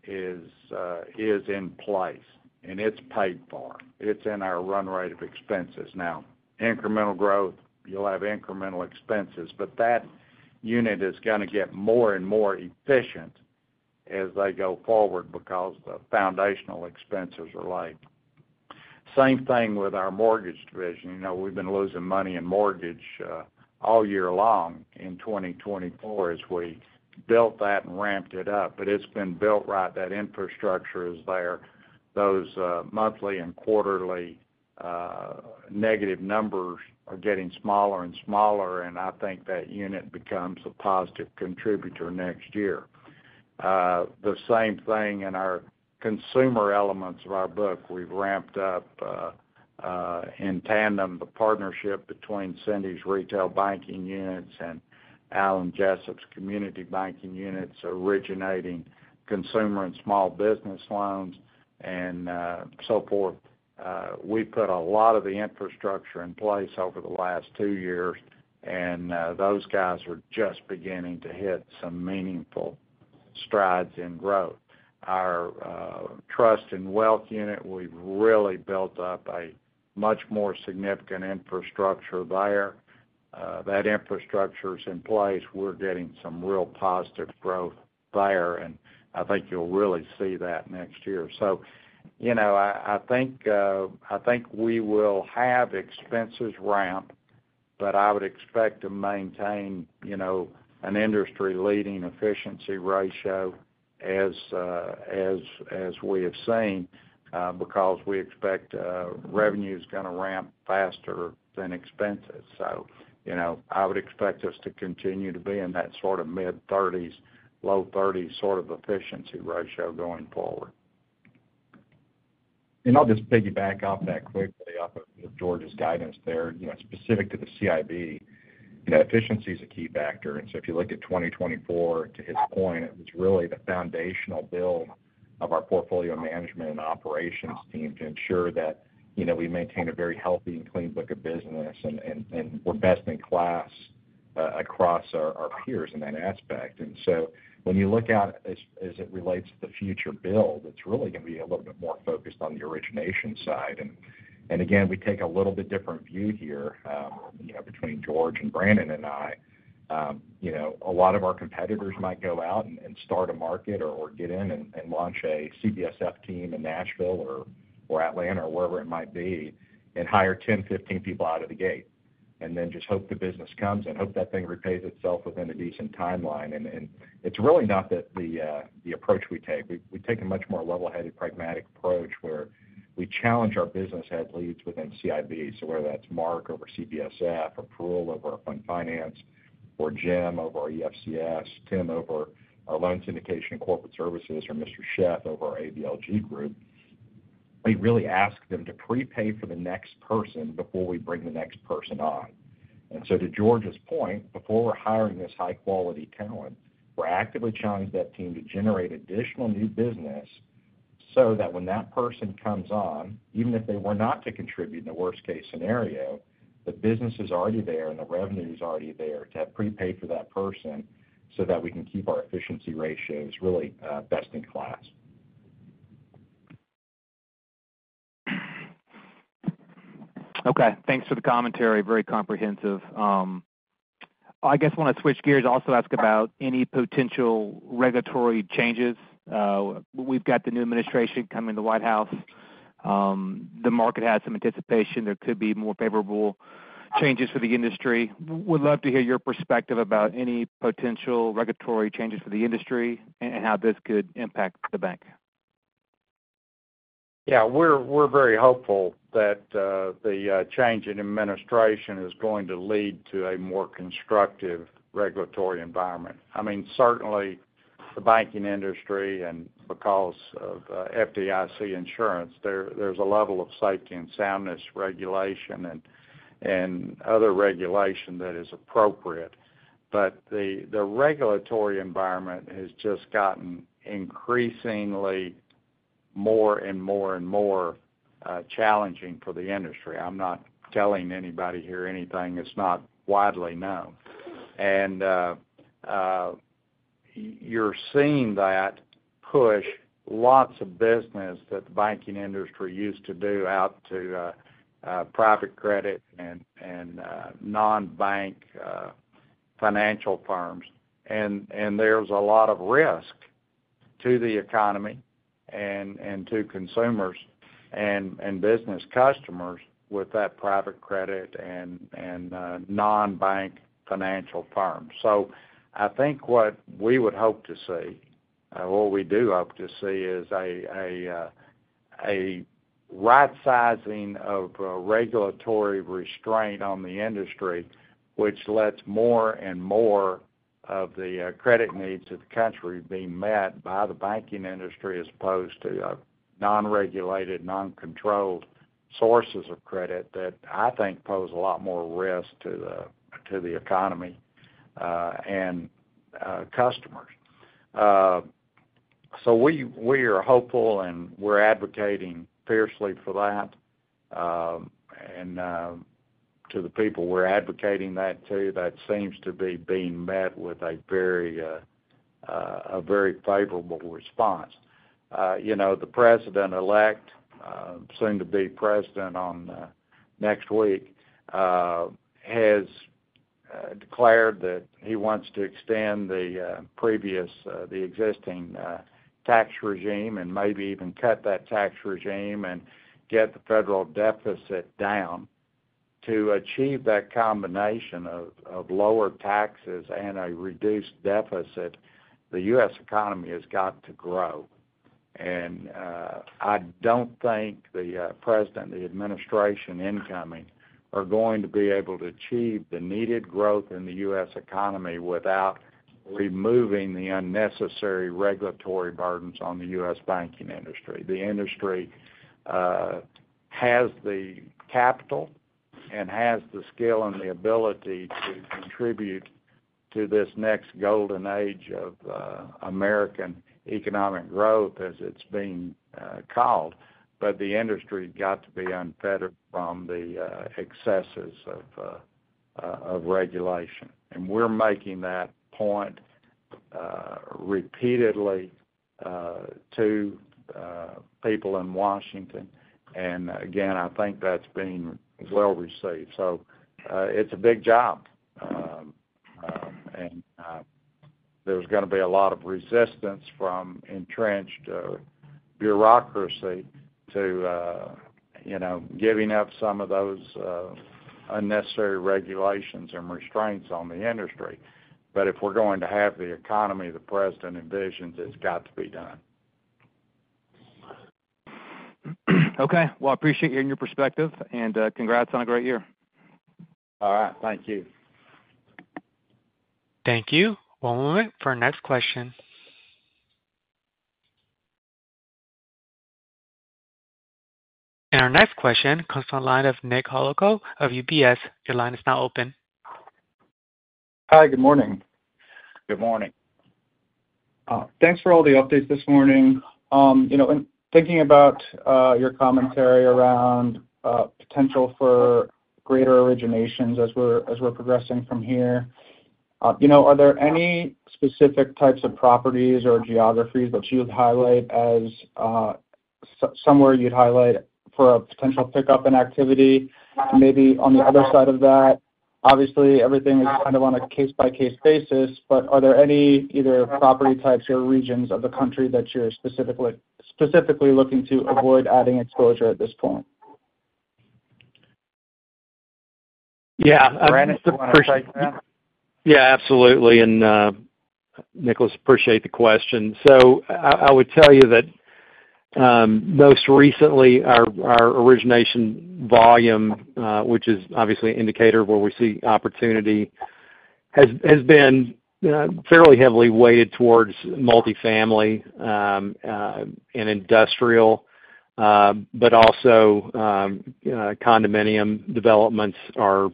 Speaker 4: is in place, and it's paid for. It's in our run rate of expenses. Now, incremental growth, you'll have incremental expenses. But that unit is gonna get more and more efficient as they go forward because the foundational expenses are late. Same thing with our Mortgage Division. You know, we've been losing money in mortgage all year long in 2024 as we built that and ramped it up. But it's been built right. That infrastructure is there. Those monthly and quarterly negative numbers are getting smaller and smaller. And I think that unit becomes a positive contributor next year. The same thing in our consumer elements of our book. We've ramped up in tandem the partnership between Cindy's Retail Banking Units and Alan Jessup's Community Banking Units, originating consumer and small business loans and so forth. We put a lot of the infrastructure in place over the last two years, and those guys are just beginning to hit some meaningful strides in growth. Our Trust and Wealth Unit, we've really built up a much more significant infrastructure there. That infrastructure's in place. We're getting some real positive growth there, and I think you'll really see that next year. So you know, I think we will have expenses ramp, but I would expect to maintain you know an industry-leading efficiency ratio as we have seen, because we expect revenue's gonna ramp faster than expenses. You know, I would expect us to continue to be in that sort of mid-30s, low-30s sort of efficiency ratio going forward.
Speaker 6: And I'll just piggyback off that quickly, off of George's guidance there, you know, specific to the CIB. You know, efficiency's a key factor. And so if you look at 2024, to his point, it was really the foundational build of our portfolio management and operations team to ensure that, you know, we maintain a very healthy and clean book of business and we're best in class across our peers in that aspect. And so when you look at as it relates to the future build, it's really gonna be a little bit more focused on the origination side. And again, we take a little bit different view here, you know, between George and Brannon and I. You know, a lot of our competitors might go out and start a market or get in and launch a CBSF team in Nashville or Atlanta or wherever it might be and hire 10, 15 people out of the gate and then just hope the business comes and hope that thing repays itself within a decent timeline, and it's really not the approach we take. We take a much more level-headed, pragmatic approach where we challenge our business head leads within CIB. So whether that's Mark over CBSF or Parul over our Fund Finance or Jim over our EFCS, Tim over our Loan Syndication and Corporate Services, or Mr. Sheff over our ABLG group, we really ask them to prepay for the next person before we bring the next person on. And so to George's point, before we're hiring this high-quality talent, we're actively challenging that team to generate additional new business so that when that person comes on, even if they were not to contribute in the worst-case scenario, the business is already there and the revenue's already there to have prepaid for that person so that we can keep our efficiency ratios really, best in class.
Speaker 10: Okay. Thanks for the commentary. Very comprehensive. I guess I wanna switch gears, also ask about any potential regulatory changes. We've got the new administration coming to the White House. The market has some anticipation there could be more favorable changes for the industry. Would love to hear your perspective about any potential regulatory changes for the industry and how this could impact the bank.
Speaker 4: Yeah. We're very hopeful that the change in administration is going to lead to a more constructive regulatory environment. I mean, certainly the banking industry and because of FDIC insurance, there's a level of safety and soundness regulation and other regulation that is appropriate. But the regulatory environment has just gotten increasingly more and more and more challenging for the industry. I'm not telling anybody here anything. It's not widely known. And you're seeing that push lots of business that the banking industry used to do out to private credit and non-bank financial firms. And there's a lot of risk to the economy and to consumers and business customers with that private credit and non-bank financial firms. I think what we would hope to see, or we do hope to see, is a right-sizing of regulatory restraint on the industry, which lets more and more of the credit needs of the country be met by the banking industry as opposed to non-regulated, non-controlled sources of credit that I think pose a lot more risk to the economy and customers. We are hopeful and we're advocating fiercely for that. To the people we're advocating that to, that seems to be being met with a very favorable response. You know, the President-elect, soon-to-be President on next week, has declared that he wants to extend the existing tax regime and maybe even cut that tax regime and get the federal deficit down. To achieve that combination of lower taxes and a reduced deficit, the U.S. economy has got to grow, and I don't think the president, the administration incoming, are going to be able to achieve the needed growth in the U.S. economy without removing the unnecessary regulatory burdens on the U.S. banking industry. The industry has the capital and has the skill and the ability to contribute to this next golden age of American economic growth as it's been called, but the industry's got to be unfettered from the excesses of regulation. And we're making that point repeatedly to people in Washington, and again, I think that's being well received, so it's a big job, and there's gonna be a lot of resistance from entrenched bureaucracy to you know giving up some of those unnecessary regulations and restraints on the industry. But if we're going to have the economy the President envisions, it's got to be done.
Speaker 10: Okay. I appreciate hearing your perspective. Congrats on a great year.
Speaker 4: All right. Thank you.
Speaker 1: Thank you. One moment for our next question, and our next question comes from the line of Nick Holowko of UBS. Your line is now open.
Speaker 11: Hi. Good morning.
Speaker 4: Good morning.
Speaker 11: Thanks for all the updates this morning. You know, in thinking about your commentary around potential for greater originations as we're progressing from here, you know, are there any specific types of properties or geographies that you'd highlight as somewhere you'd highlight for a potential pickup in activity? Maybe on the other side of that, obviously everything is kind of on a case-by-case basis, but are there any either property types or regions of the country that you're specifically looking to avoid adding exposure at this point?
Speaker 4: Brannon, you want to take that?
Speaker 6: Yeah. Absolutely. And, Nicholas, appreciate the question. So I would tell you that, most recently our origination volume, which is obviously an indicator of where we see opportunity, has been fairly heavily weighted towards multifamily and industrial, but also condominium developments are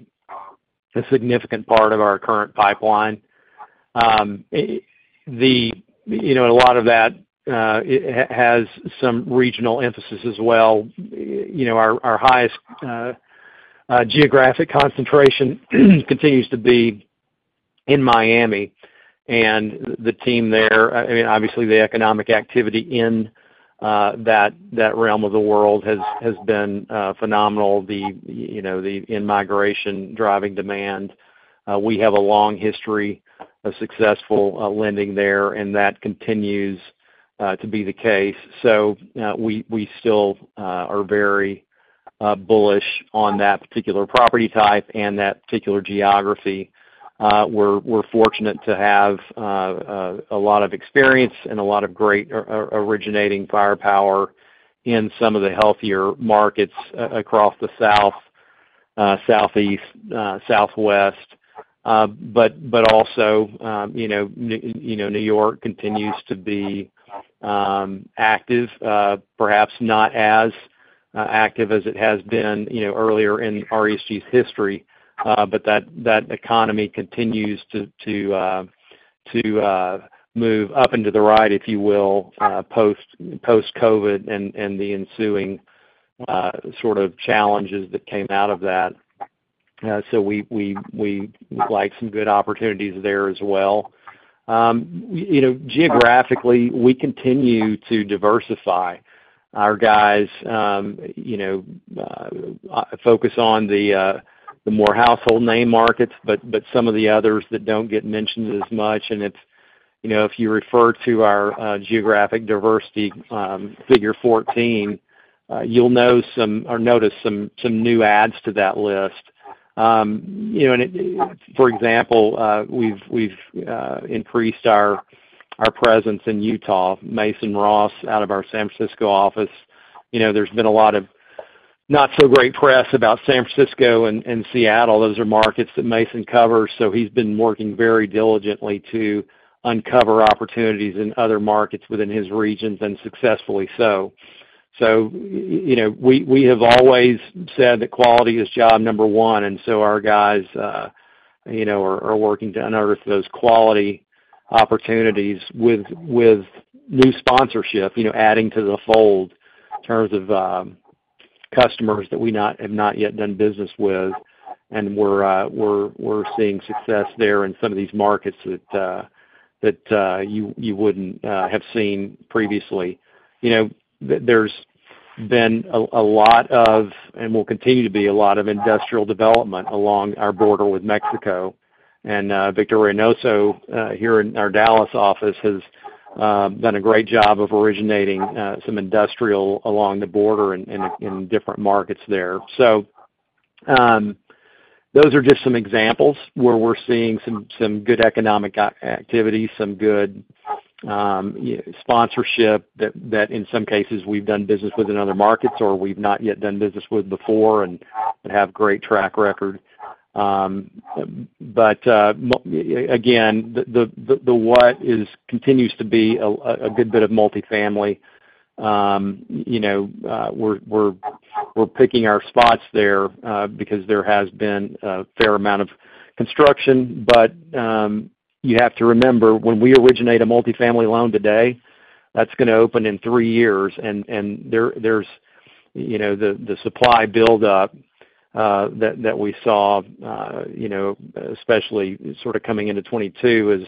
Speaker 6: a significant part of our current pipeline. You know, a lot of that has some regional emphasis as well. You know, our highest geographic concentration continues to be in Miami. And the team there, I mean, obviously the economic activity in that realm of the world has been phenomenal. You know, the in-migration driving demand. We have a long history of successful lending there, and that continues to be the case. So we still are very bullish on that particular property type and that particular geography. We're fortunate to have a lot of experience and a lot of great originating firepower in some of the healthier markets across the South, Southeast, Southwest. But also, you know, and you know, New York continues to be active, perhaps not as active as it has been, you know, earlier in RESG's history. But that economy continues to move up and to the right, if you will, post-COVID and the ensuing sort of challenges that came out of that. So we would like some good opportunities there as well. You know, geographically, we continue to diversify our guys. You know, focus on the more household name markets, but some of the others that don't get mentioned as much. It's, you know, if you refer to our geographic diversity, Figure 14, you'll know some or notice some new adds to that list. You know, and it, for example, we've increased our presence in Utah. Mason Ross out of our San Francisco office. You know, there's been a lot of not-so-great press about San Francisco and Seattle. Those are markets that Mason covers. So he's been working very diligently to uncover opportunities in other markets within his regions and successfully so. So, you know, we have always said that quality is job number one. And so our guys, you know, are working to unearth those quality opportunities with new sponsorship, you know, adding to the fold in terms of customers that we have not yet done business with. And we're seeing success there in some of these markets that you wouldn't have seen previously. You know, there's been a lot of, and will continue to be, a lot of industrial development along our border with Mexico. And Victor Hinojosa here in our Dallas office has done a great job originating some industrial along the border and in different markets there. So those are just some examples where we're seeing some good economic activity, some good sponsorship that in some cases we've done business with in other markets or we've not yet done business with before and have great track record. But more again, what continues to be a good bit of multifamily. You know, we're picking our spots there, because there has been a fair amount of construction. But you have to remember when we originate a multifamily loan today, that's gonna open in three years. And there, there's you know the supply build-up that we saw you know especially sort of coming into 2022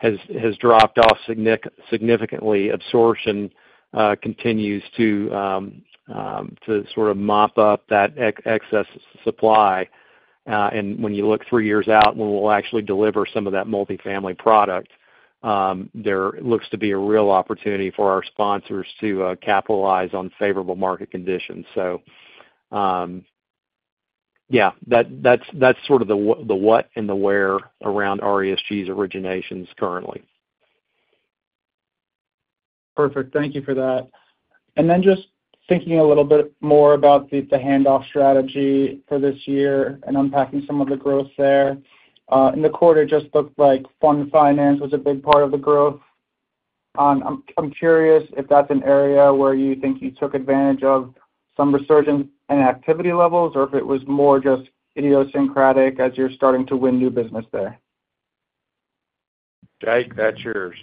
Speaker 6: has dropped off significantly. Absorption continues to sort of mop up that excess supply. And when you look three years out, when we'll actually deliver some of that multifamily product, there looks to be a real opportunity for our sponsors to capitalize on favorable market conditions. So yeah that's sort of the what and the where around RESG's originations currently.
Speaker 11: Perfect. Thank you for that. And then just thinking a little bit more about the handoff strategy for this year and unpacking some of the growth there. In the quarter, it just looked like Fund Finance was a big part of the growth. I'm curious if that's an area where you think you took advantage of some resurgence in activity levels or if it was more just idiosyncratic as you're starting to win new business there.
Speaker 4: Jake, that's yours.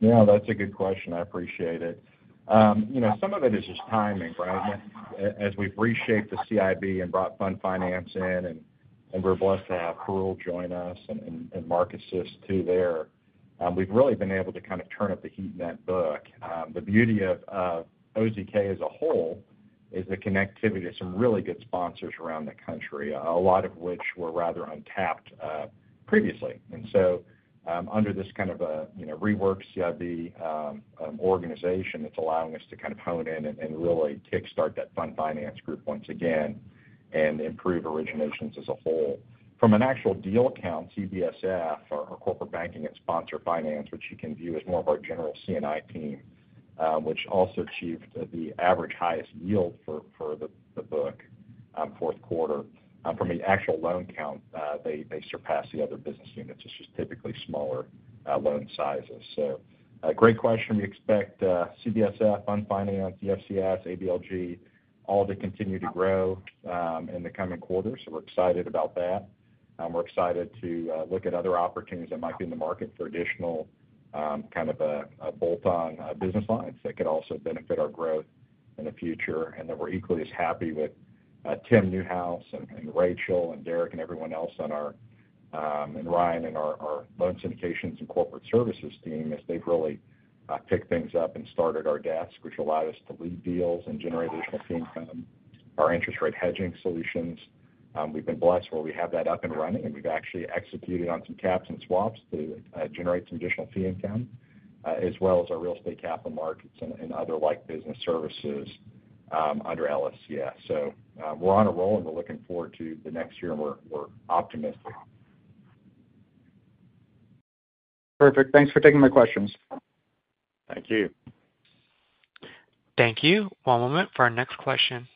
Speaker 5: Yeah. That's a good question. I appreciate it. You know, some of it is just timing, right? And as we've reshaped the CIB and brought fund finance in, and we're blessed to have Parul join us and Mark Asis too there. We've really been able to kind of turn up the heat in that book. The beauty of OZK as a whole is the connectivity to some really good sponsors around the country, a lot of which were rather untapped, previously. And so, under this kind of, you know, reworked CIB organization, it's allowing us to kind of hone in and really kickstart that fund finance group once again and improve originations as a whole. From an actual deal count, CBSF, our Corporate Banking and Sponsor Finance, which you can view as more of our general C&I team, which also achieved the average highest yield for the book, Q4. From the actual loan count, they surpass the other business units. It's just typically smaller loan sizes. Great question. We expect CBSF, fund finance, EFCS, ABLG all to continue to grow in the coming quarter. We're excited about that. We're excited to look at other opportunities that might be in the market for additional kind of a bolt-on business lines that could also benefit our growth in the future. And then we're equally as happy with Tim Newhouse and and Rachel and Derek and everyone else on our and Ryan and our our Loan Syndications and Corporate Services team as they've really picked things up and started our desk, which allowed us to lead deals and generate additional fee income, our interest rate hedging solutions. We've been blessed where we have that up and running, and we've actually executed on some caps and swaps to generate some additional fee income, as well as our real estate capital markets and and other like business services under LSCS. So we're on a roll, and we're looking forward to the next year, and we're we're optimistic.
Speaker 11: Perfect. Thanks for taking my questions.
Speaker 4: Thank you.
Speaker 1: Thank you. One moment for our next question.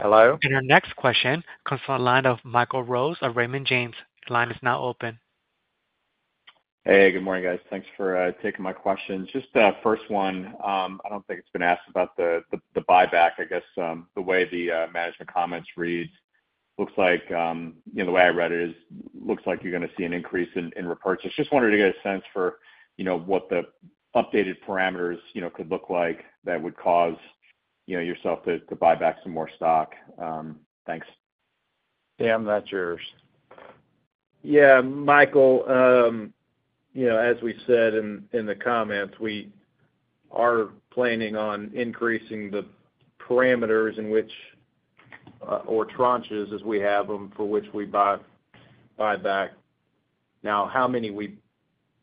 Speaker 1: And our next question comes from the line of Michael Rose of Raymond James. The line is now open.
Speaker 12: Hey. Good morning, guys. Thanks for taking my questions. Just first one, I don't think it's been asked about the buyback. I guess the way the management comments read looks like, you know, the way I read it is looks like you're gonna see an increase in repurchase. Just wanted to get a sense for, you know, what the updated parameters, you know, could look like that would cause, you know, yourself to buy back some more stock. Thanks.
Speaker 4: Tim, that's yours.
Speaker 7: Yeah. Michael, you know, as we said in the comments, we are planning on increasing the parameters in which, or tranches as we have them, for which we buy back. Now, how many we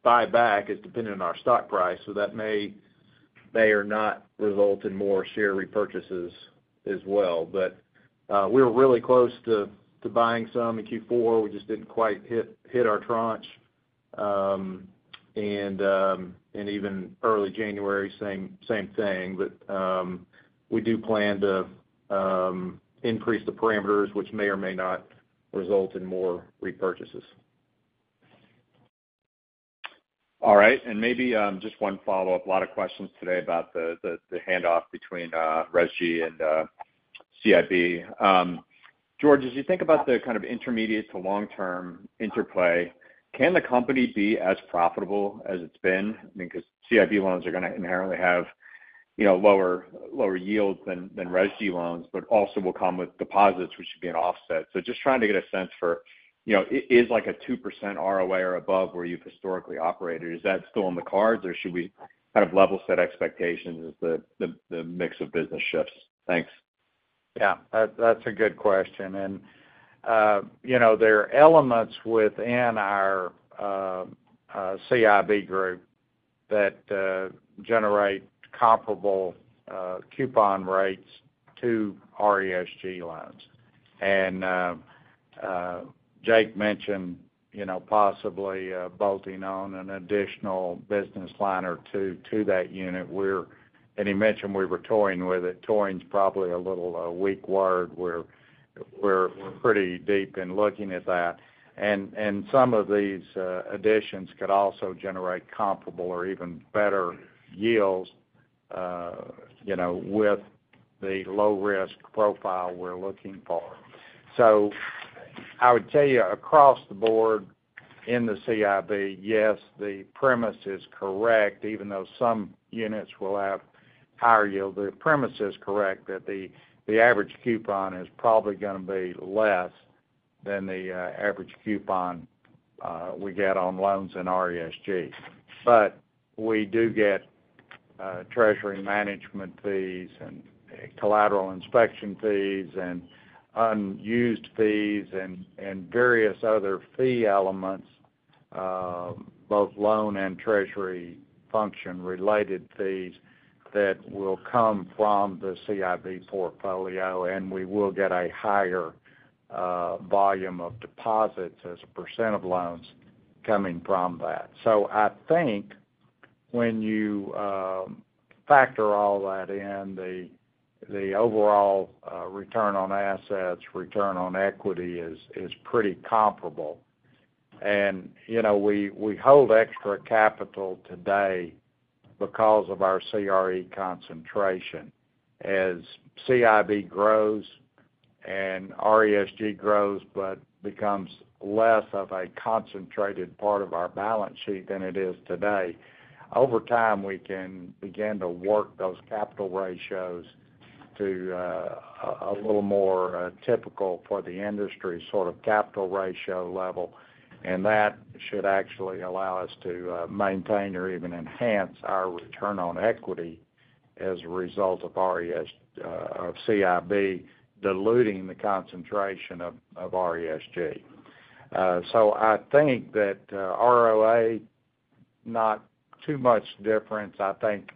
Speaker 7: buy back is dependent on our stock price. So that may or not result in more share repurchases as well, but we were really close to buying some in Q4. We just didn't quite hit our tranche and even early January, same thing, but we do plan to increase the parameters, which may or may not result in more repurchases.
Speaker 12: All right. Maybe just one follow-up. A lot of questions today about the handoff between RESG and CIB. George, as you think about the kind of intermediate to long-term interplay, can the company be as profitable as it's been? I mean, 'cause CIB loans are gonna inherently have, you know, lower yields than RESG loans, but also will come with deposits, which should be an offset. So just trying to get a sense for, you know, is like a 2% ROI or above where you've historically operated, is that still on the cards, or should we kind of level-set expectations as the mix of business shifts? Thanks.
Speaker 4: Yeah. That's a good question. And, you know, there are elements within our CIB group that generate comparable coupon rates to RESG loans. And Jake mentioned, you know, possibly bolting on an additional business line or two to that unit where he mentioned we were toying with it. Toying's probably a little weak word. We're pretty deep in looking at that. And some of these additions could also generate comparable or even better yields, you know, with the low-risk profile we're looking for. So I would tell you across the board in the CIB, yes, the premise is correct, even though some units will have higher yield. The premise is correct that the average coupon is probably gonna be less than the average coupon we get on loans in RESG. We do get treasury management fees and collateral inspection fees and unused fees and various other fee elements, both loan and treasury function-related fees that will come from the CIB portfolio. We will get a higher volume of deposits as a percent of loans coming from that. I think when you factor all that in, the overall return on assets, return on equity is pretty comparable. You know, we hold extra capital today because of our CRE concentration. As CIB grows and RESG grows but becomes less of a concentrated part of our balance sheet than it is today, over time we can begin to work those capital ratios to a little more typical for the industry sort of capital ratio level. That should actually allow us to maintain or even enhance our return on equity as a result of CIB diluting the concentration of RESG. So I think that ROA, not too much difference. I think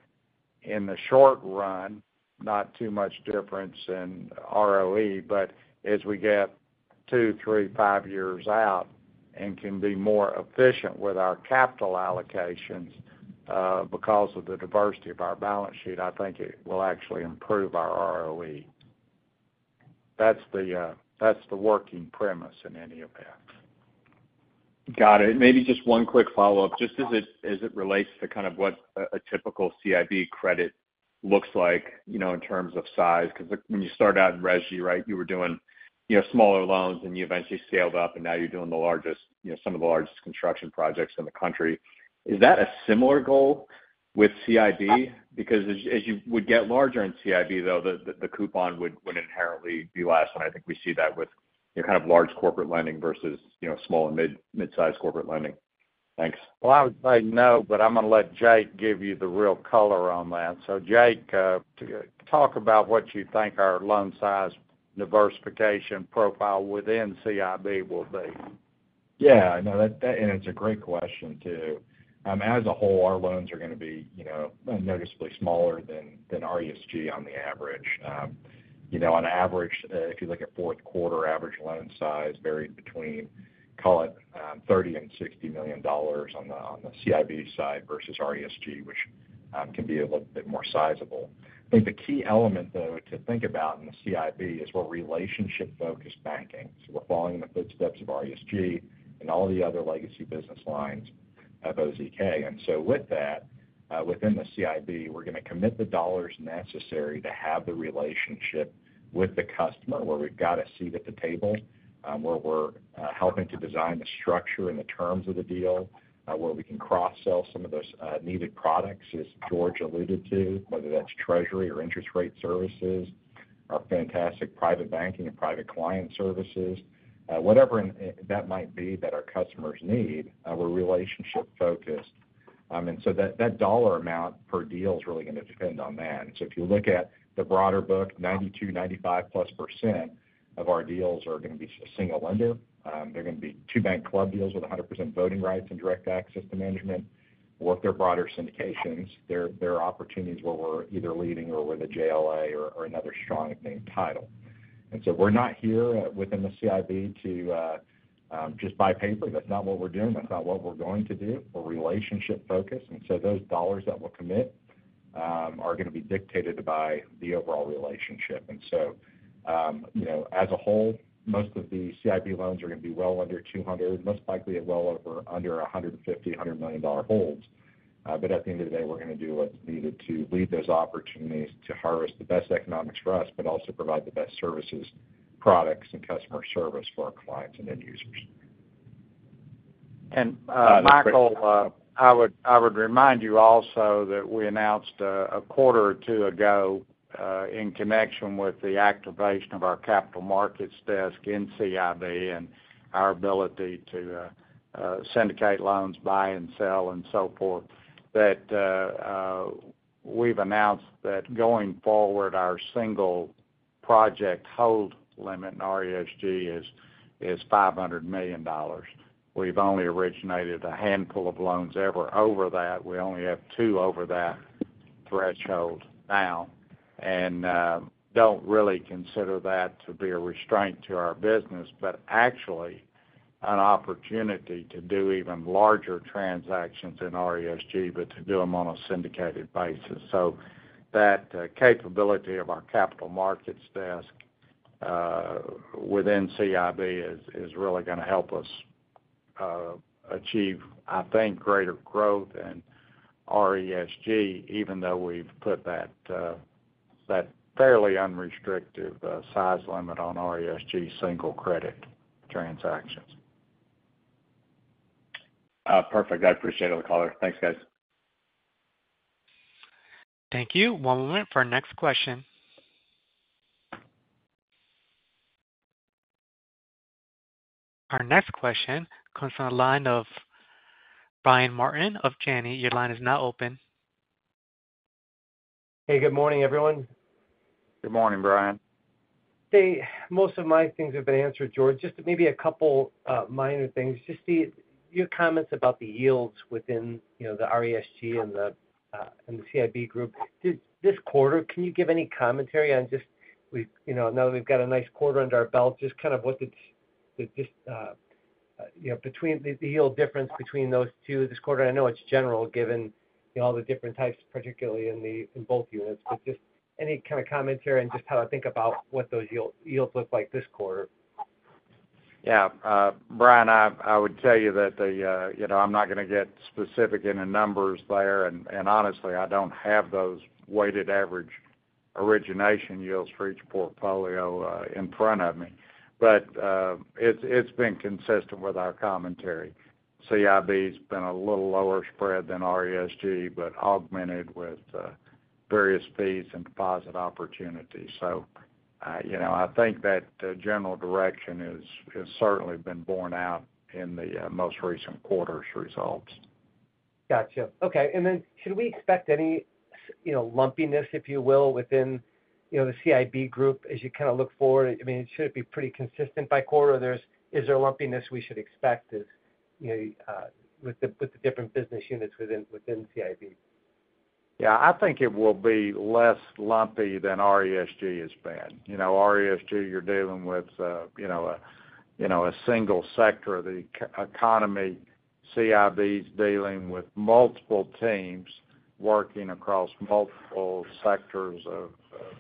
Speaker 4: in the short run, not too much difference in ROE. But as we get two, three, five years out and can be more efficient with our capital allocations, because of the diversity of our balance sheet, I think it will actually improve our ROE. That's the, that's the working premise in any event.
Speaker 12: Got it. Maybe just one quick follow-up, just as it relates to kind of what a typical CIB credit looks like, you know, in terms of size. 'Cause when you started out in RESG, right, you were doing, you know, smaller loans, and you eventually scaled up, and now you're doing the largest, you know, some of the largest construction projects in the country. Is that a similar goal with CIB? Because as you would get larger in CIB, though, the coupon would inherently be less. And I think we see that with, you know, kind of large corporate lending versus, you know, small and mid-sized corporate lending. Thanks.
Speaker 4: Well, I would say no, but I'm gonna let Jake give you the real color on that. So Jake, to talk about what you think our loan size diversification profile within CIB will be.
Speaker 5: Yeah. No, that, that and it's a great question too. As a whole, our loans are gonna be, you know, noticeably smaller than, than RESG on the average. You know, on average, if you look at Q4 average loan size varied between, call it, $30 million-$60 million on the, on the CIB side versus RESG, which, can be a little bit more sizable. I think the key element, though, to think about in the CIB is we're relationship-focused banking. So we're following in the footsteps of RESG and all the other legacy business lines of OZK. And so with that, within the CIB, we're gonna commit the dollars necessary to have the relationship with the customer where we've got a seat at the table, where we're helping to design the structure and the terms of the deal, where we can cross-sell some of those needed products as George alluded to, whether that's treasury or interest rate services, our fantastic private banking and private client services, whatever in that might be that our customers need. We're relationship-focused, and so that dollar amount per deal is really gonna depend on that. And so if you look at the broader book, 92%-95%+ of our deals are gonna be single lender. They're gonna be two-bank club deals with 100% voting rights and direct access to management. We're at their broader syndications. They're opportunities where we're either leading or with a JLA or another strong and named title. And so we're not here, within the CIB to just buy paper. That's not what we're doing. That's not what we're going to do. We're relationship-focused. And so those dollars that we'll commit are gonna be dictated by the overall relationship. And so, you know, as a whole, most of the CIB loans are gonna be well under $200 million, most likely well under $150-$100 million holds. But at the end of the day, we're gonna do what's needed to lead those opportunities to harvest the best economics for us, but also provide the best services, products, and customer service for our clients and end users.
Speaker 4: Michael, I would remind you also that we announced a quarter or two ago, in connection with the activation of our capital markets desk in CIB and our ability to syndicate loans, buy and sell, and so forth, that we've announced that going forward, our single project hold limit in RESG is $500 million. We've only originated a handful of loans ever over that. We only have two over that threshold now and don't really consider that to be a restraint to our business, but actually an opportunity to do even larger transactions in RESG, but to do them on a syndicated basis. So that capability of our capital markets desk within CIB is really gonna help us achieve, I think, greater growth in RESG, even though we've put that fairly unrestrictive size limit on RESG single credit transactions.
Speaker 12: Perfect. I appreciate the color. Thanks, guys.
Speaker 1: Thank you. One moment for our next question. Our next question comes from the line of Brian Martin of Janney. Your line is now open.
Speaker 13: Hey. Good morning, everyone.
Speaker 4: Good morning, Brian.
Speaker 13: Hey. Most of my things have been answered, George. Just maybe a couple minor things. Just the, your comments about the yields within, you know, the RESG and the CIB group. In this quarter, can you give any commentary on just, we've, you know, now that we've got a nice quarter under our belt, just kind of what the, the just, you know, between the, the yield difference between those two this quarter? I know it's general given, you know, all the different types, particularly in the, in both units. But just any kind of commentary on just how to think about what those yields look like this quarter?
Speaker 4: Yeah. Brian, I would tell you that, you know, I'm not gonna get specific in the numbers there. And honestly, I don't have those weighted average origination yields for each portfolio in front of me. But it's been consistent with our commentary. CIB's been a little lower spread than RESG, but augmented with various fees and deposit opportunities. So, you know, I think that general direction has certainly been borne out in the most recent quarter's results.
Speaker 13: Gotcha. Okay. And then should we expect any, you know, lumpiness, if you will, within, you know, the CIB group as you kind of look forward? I mean, should it be pretty consistent by quarter? Is there lumpiness we should expect as, you know, with the different business units within CIB?
Speaker 4: Yeah. I think it will be less lumpy than RESG has been. You know, RESG, you're dealing with, you know, a single sector of the economy. CIB's dealing with multiple teams working across multiple sectors of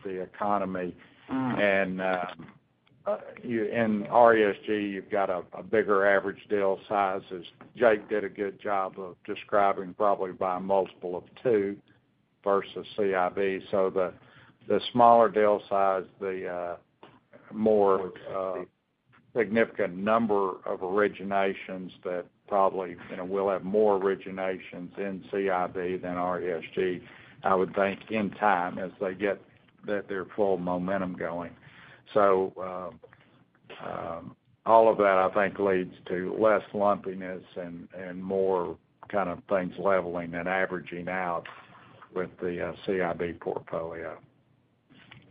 Speaker 4: the economy. And you in RESG, you've got a bigger average deal sizes. Jake did a good job of describing probably by a multiple of two versus CIB. So the smaller deal size, the more significant number of originations that probably, you know, will have more originations in CIB than RESG, I would think, in time as they get their full momentum going. So all of that, I think, leads to less lumpiness and more kind of things leveling and averaging out with the CIB portfolio.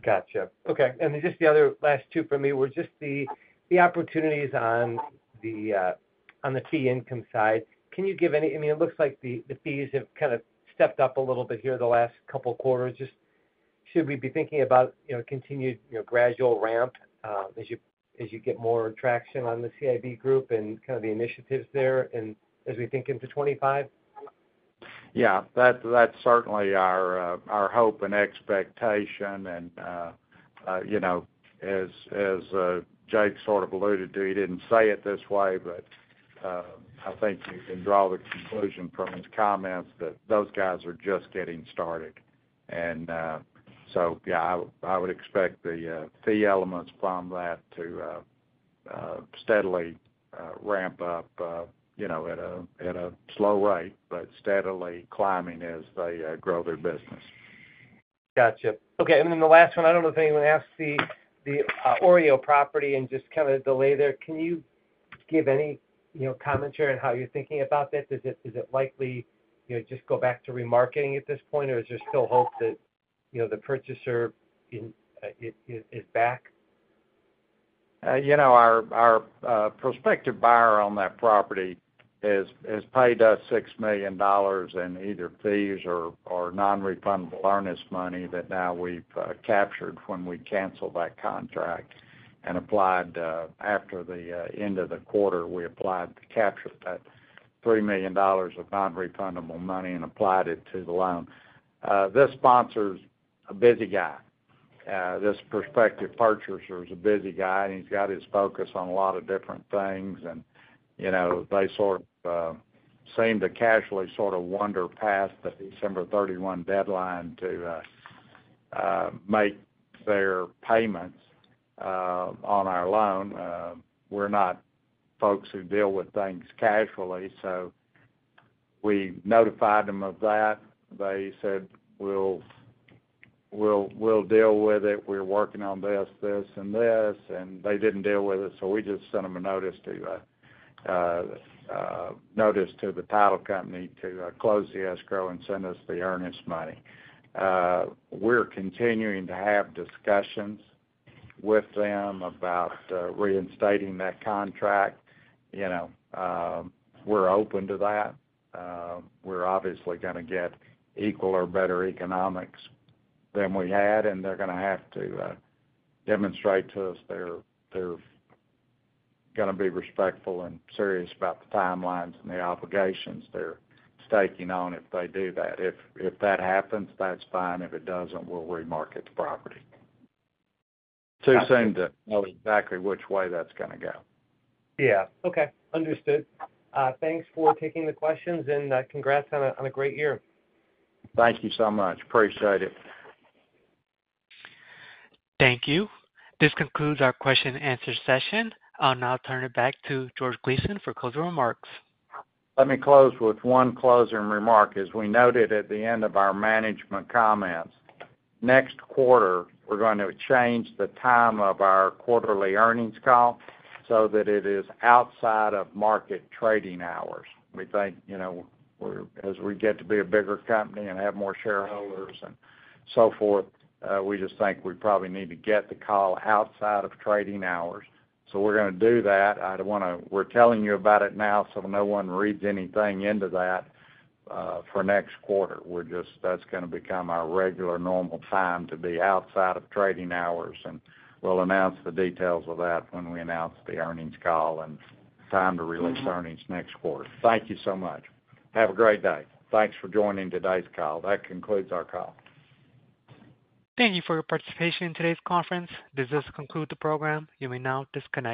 Speaker 13: Gotcha. Okay. And then just the other last two for me were just the, the opportunities on the, on the fee income side. Can you give any? I mean, it looks like the, the fees have kind of stepped up a little bit here the last couple quarters. Just should we be thinking about, you know, continued, you know, gradual ramp, as you, as you get more traction on the CIB group and kind of the initiatives there and as we think into 2025?
Speaker 4: Yeah. That's certainly our hope and expectation. And, you know, as Jake sort of alluded to, he didn't say it this way, but I think you can draw the conclusion from his comments that those guys are just getting started. And, so yeah, I would expect the fee elements from that to steadily ramp up, you know, at a slow rate but steadily climbing as they grow their business.
Speaker 13: Gotcha. Okay. And then the last one, I don't know if anyone asked the OREO property and just kind of the lay there. Can you give any, you know, commentary on how you're thinking about that? Is it likely, you know, just go back to remarketing at this point, or is there still hope that, you know, the purchaser is back?
Speaker 4: You know, our prospective buyer on that property has paid us $6 million in either fees or non-refundable earnest money that now we've captured when we canceled that contract and applied after the end of the quarter. We applied to capture that $3 million of non-refundable money and applied it to the loan. This sponsor's a busy guy. This prospective purchaser's a busy guy, and he's got his focus on a lot of different things, and you know, they sort of seem to casually sort of wander past the December 31, 2024 deadline to make their payments on our loan. We're not folks who deal with things casually. So we notified them of that. They said, "We'll deal with it. We're working on this, this, and this," and they didn't deal with it. So we just sent them a notice to the title company to close the escrow and send us the earnest money. We're continuing to have discussions with them about reinstating that contract. You know, we're open to that. We're obviously gonna get equal or better economics than we had. And they're gonna have to demonstrate to us they're gonna be respectful and serious about the timelines and the obligations they're staking on if they do that. If that happens, that's fine. If it doesn't, we'll remarket the property. Too soon to know exactly which way that's gonna go.
Speaker 13: Yeah. Okay. Understood. Thanks for taking the questions, and, congrats on a, on a great year.
Speaker 4: Thank you so much. Appreciate it.
Speaker 1: Thank you. This concludes our question-and-answer session. I'll now turn it back to George Gleason for closing remarks.
Speaker 4: Let me close with one closing remark. As we noted at the end of our management comments, next quarter, we're gonna change the time of our quarterly earnings call so that it is outside of market trading hours. We think, you know, we're, as we get to be a bigger company and have more shareholders and so forth, we just think we probably need to get the call outside of trading hours. So we're gonna do that. I don't wanna we're telling you about it now so no one reads anything into that, for next quarter. We're just that's gonna become our regular normal time to be outside of trading hours. And we'll announce the details of that when we announce the earnings call and time to release earnings next quarter. Thank you so much. Have a great day. Thanks for joining today's call. That concludes our call.
Speaker 1: Thank you for your participation in today's conference. This does conclude the program. You may now disconnect.